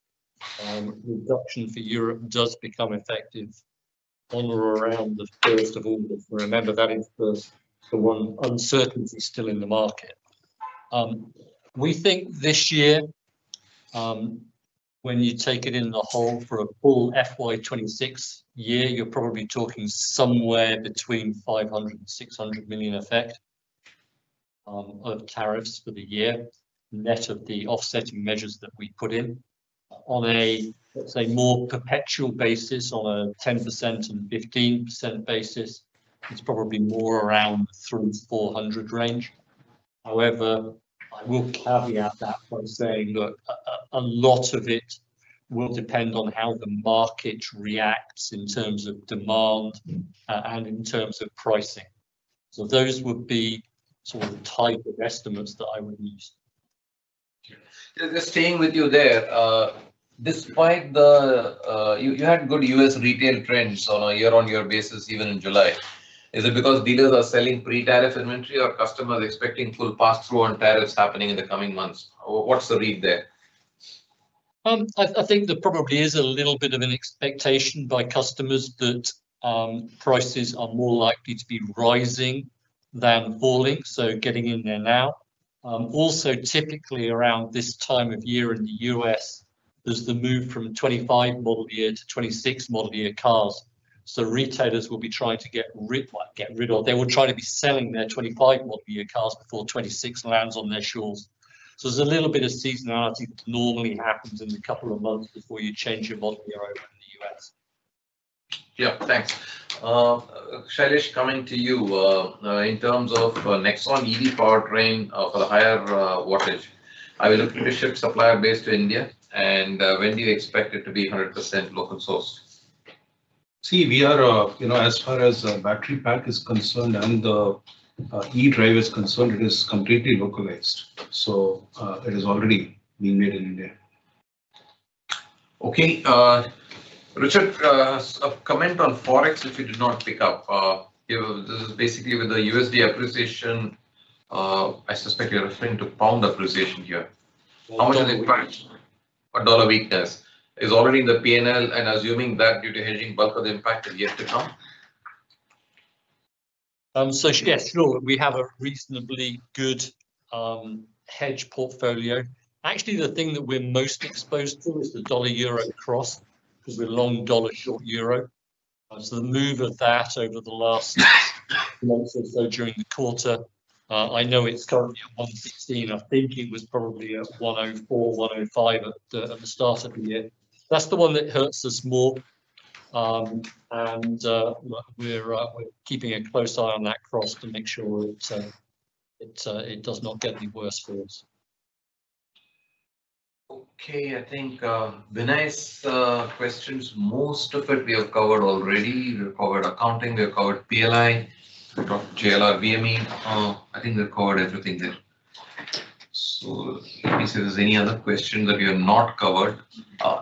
reduction for Europe does become effective on or around the 1st of August. Remember, that is the one uncertainty still in the market. We think this year, when you take it in the whole for a full FY 2026 year, you're probably talking somewhere between $500 million and $600 million effect of tariffs for the year, net of the offsetting measures that we put in. On a, say, more perpetual basis, on a 10% and 15% basis, it's probably more around the $300 million-$400 million range. However, I will caveat that by saying, look, a lot of it will depend on how the market reacts in terms of demand and in terms of pricing. Those would be the type of estimates that I would use. The same with you there. Despite the, you had good U.S. retail trends on a year-on-year basis, even in July. Is it because dealers are selling pre-tariff inventory or customers expecting full pass-through on tariffs happening in the coming months? What's the read there? I think there probably is a little bit of an expectation by customers that prices are more likely to be rising than falling, so getting in there now. Also, typically around this time of year in the U.S., there's the move from 2025 model year to 2026 model year cars. Retailers will be trying to get rid of, they will try to be selling their 2025 model year cars before 2026 lands on their shelves. There's a little bit of seasonality that normally happens in a couple of months before you change your model year over in the U.S. Yeah, thanks. Shailesh, coming to you, in terms of next on EV powertrain for the higher wattage, are we looking to shift supplier base to India? When do you expect it to be 100% local sourced? See, as far as battery pack is concerned and the E-drive is concerned, it is completely localized. It has already been made in India. Okay. Richard, a comment on Forex which we did not pick up. Give basically, with the USD appreciation, I suspect you're referring to pound appreciation here. How much does it price? A dollar weakness is already in the P&L and assuming that due to hedging buckle impacted yet to come? Yes, we have a reasonably good hedge portfolio. Actually, the thing that we're most exposed to is the dollar euro cross because we're long dollar, short euro. The move of that over the last month or so during the quarter, I know it's currently €1.15. I think it was probably at €1.04, €1.05 at the start of the year. That's the one that hurts us more. We're keeping a close eye on that cross to make sure it does not get any worse for us. Okay. I think Vinay's questions, most of it we have covered already. We've covered accounting. We've covered PLI, JLR, VME. I think we've covered everything here. Let me see if there's any other question that we have not covered.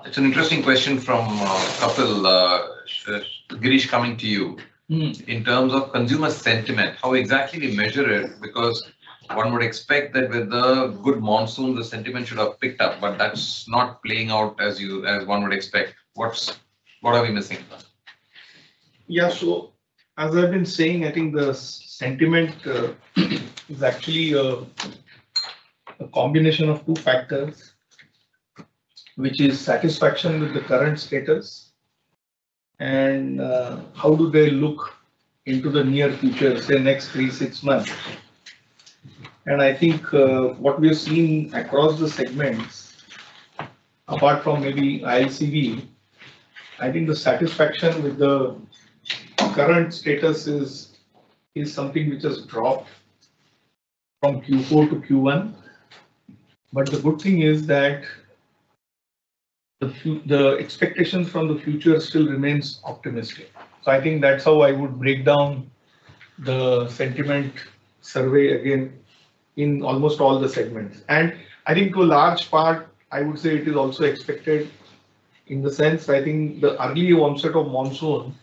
It's an interesting question from a couple. Girish, coming to you. In terms of consumer sentiment, how exactly do you measure it? Because one would expect that with the good monsoon, the sentiment should have picked up. That's not playing out as you as one would expect. What are we missing? Yeah, as I've been saying, I think the sentiment is actually a combination of two factors, which is satisfaction with the current status and how do they look into the near future, say, next three, six months. I think what we have seen across the segments, apart from maybe ILCV, is that the satisfaction with the current status is something which has dropped from Q4 to Q1. The good thing is that the expectations from the future still remain optimistic. I think that's how I would break down the sentiment survey again in almost all the segments. To a large part, I would say it is also expected in the sense that the early onset of monsoon,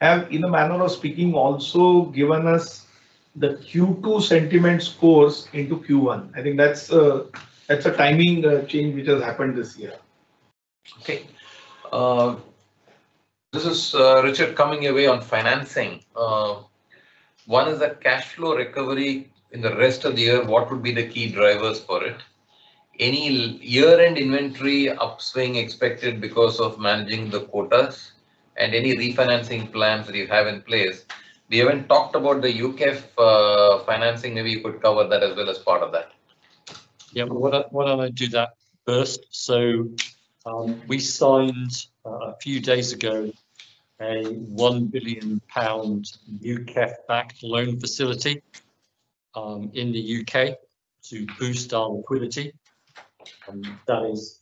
in a manner of speaking, has also given us the Q2 sentiment scores into Q1. I think that's a timing change which has happened this year. Okay. This is Richard coming your way on financing. One is a cash flow recovery in the rest of the year. What would be the key drivers for it? Any year-end inventory upswing expected because of managing the quotas and any refinancing plans that you have in place? We haven't talked about the U.K. financing. Maybe you could cover that as well as part of that. Yeah, what I'll do is that first. We signed a few days ago a £1 billion UKEF backed loan facility in the U.K. to boost our liquidity. That is,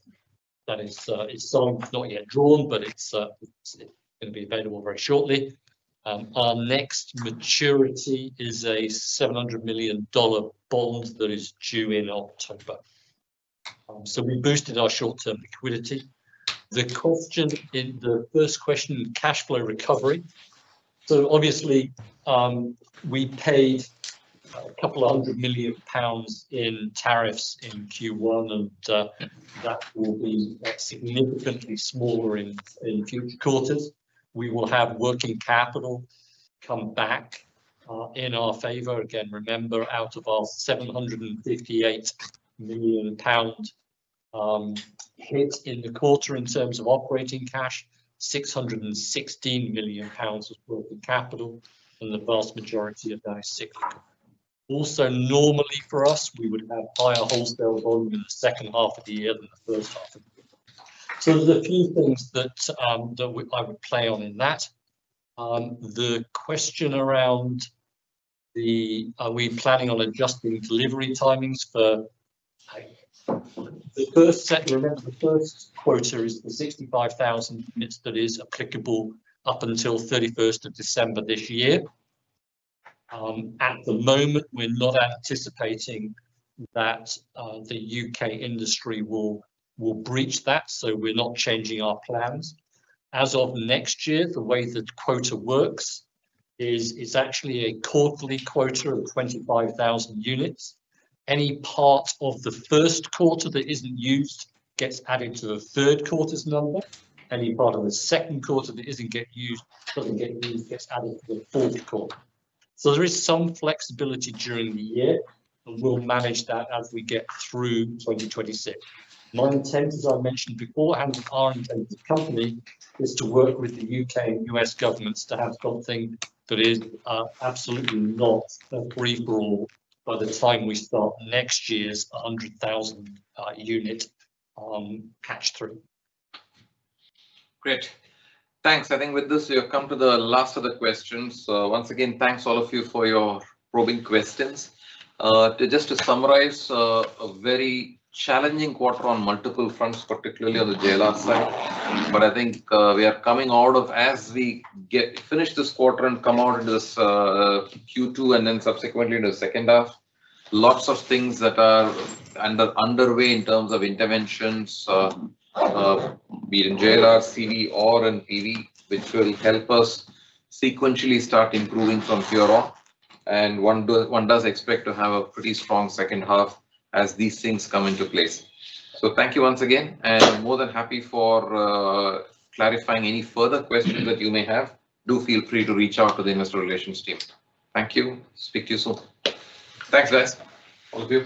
it's not yet drawn, but it's going to be available very shortly. Our next maturity is a $700 million bond that is due in October. We boosted our short-term liquidity. The question in the first question, cash flow recovery. Obviously, we paid a couple hundred million pounds in tariffs in Q1, and that will be significantly smaller in Q4. We will have working capital come back in our favor. Again, remember, out of our £758 million hit in the quarter in terms of operating cash, £616 million was working capital in the vast majority of that. Normally for us, we would have higher wholesale volume in the second half of the year than the first half of the year. There are a few things that I would play on in that. The question around the, are we planning on adjusting delivery timings for the first set? Remember, the first quota is the 65,000 units that is applicable up until 31st of December this year. At the moment, we're not anticipating that the U.K. industry will breach that. We're not changing our plans. As of next year, the way the quota works is actually a quarterly quota of 25,000 units. Any part of the first quarter that isn't used gets added to the third quarter's number. Any part of the second quarter that doesn't get used gets added to the fourth quarter. There is some flexibility during the year, but we'll manage that as we get through 2026. My intent, as I mentioned before, and our intent as a company, is to work with the U.K. and U.S.governments to have something that is absolutely not a free-for-all by the time we start next year's 100,000 unit on cash three. Great. Thanks. I think with this, we have come to the last of the questions. Once again, thanks all of you for your probing questions. Just to summarize, a very challenging quarter on multiple fronts, particularly on the Jaguar Land Rover side. I think we are coming out of, as we finish this quarter and come out into this Q2 and then subsequently into the second half, lots of things that are underway in terms of interventions, being Jaguar Land Rover, CV, R, and PV, which will help us sequentially start improving from here on. One does expect to have a pretty strong second half as these things come into place. Thank you once again, and more than happy for clarifying any further questions that you may have. Do feel free to reach out to the investor relations team. Thank you. Speak to you soon. Thanks, guys. All good.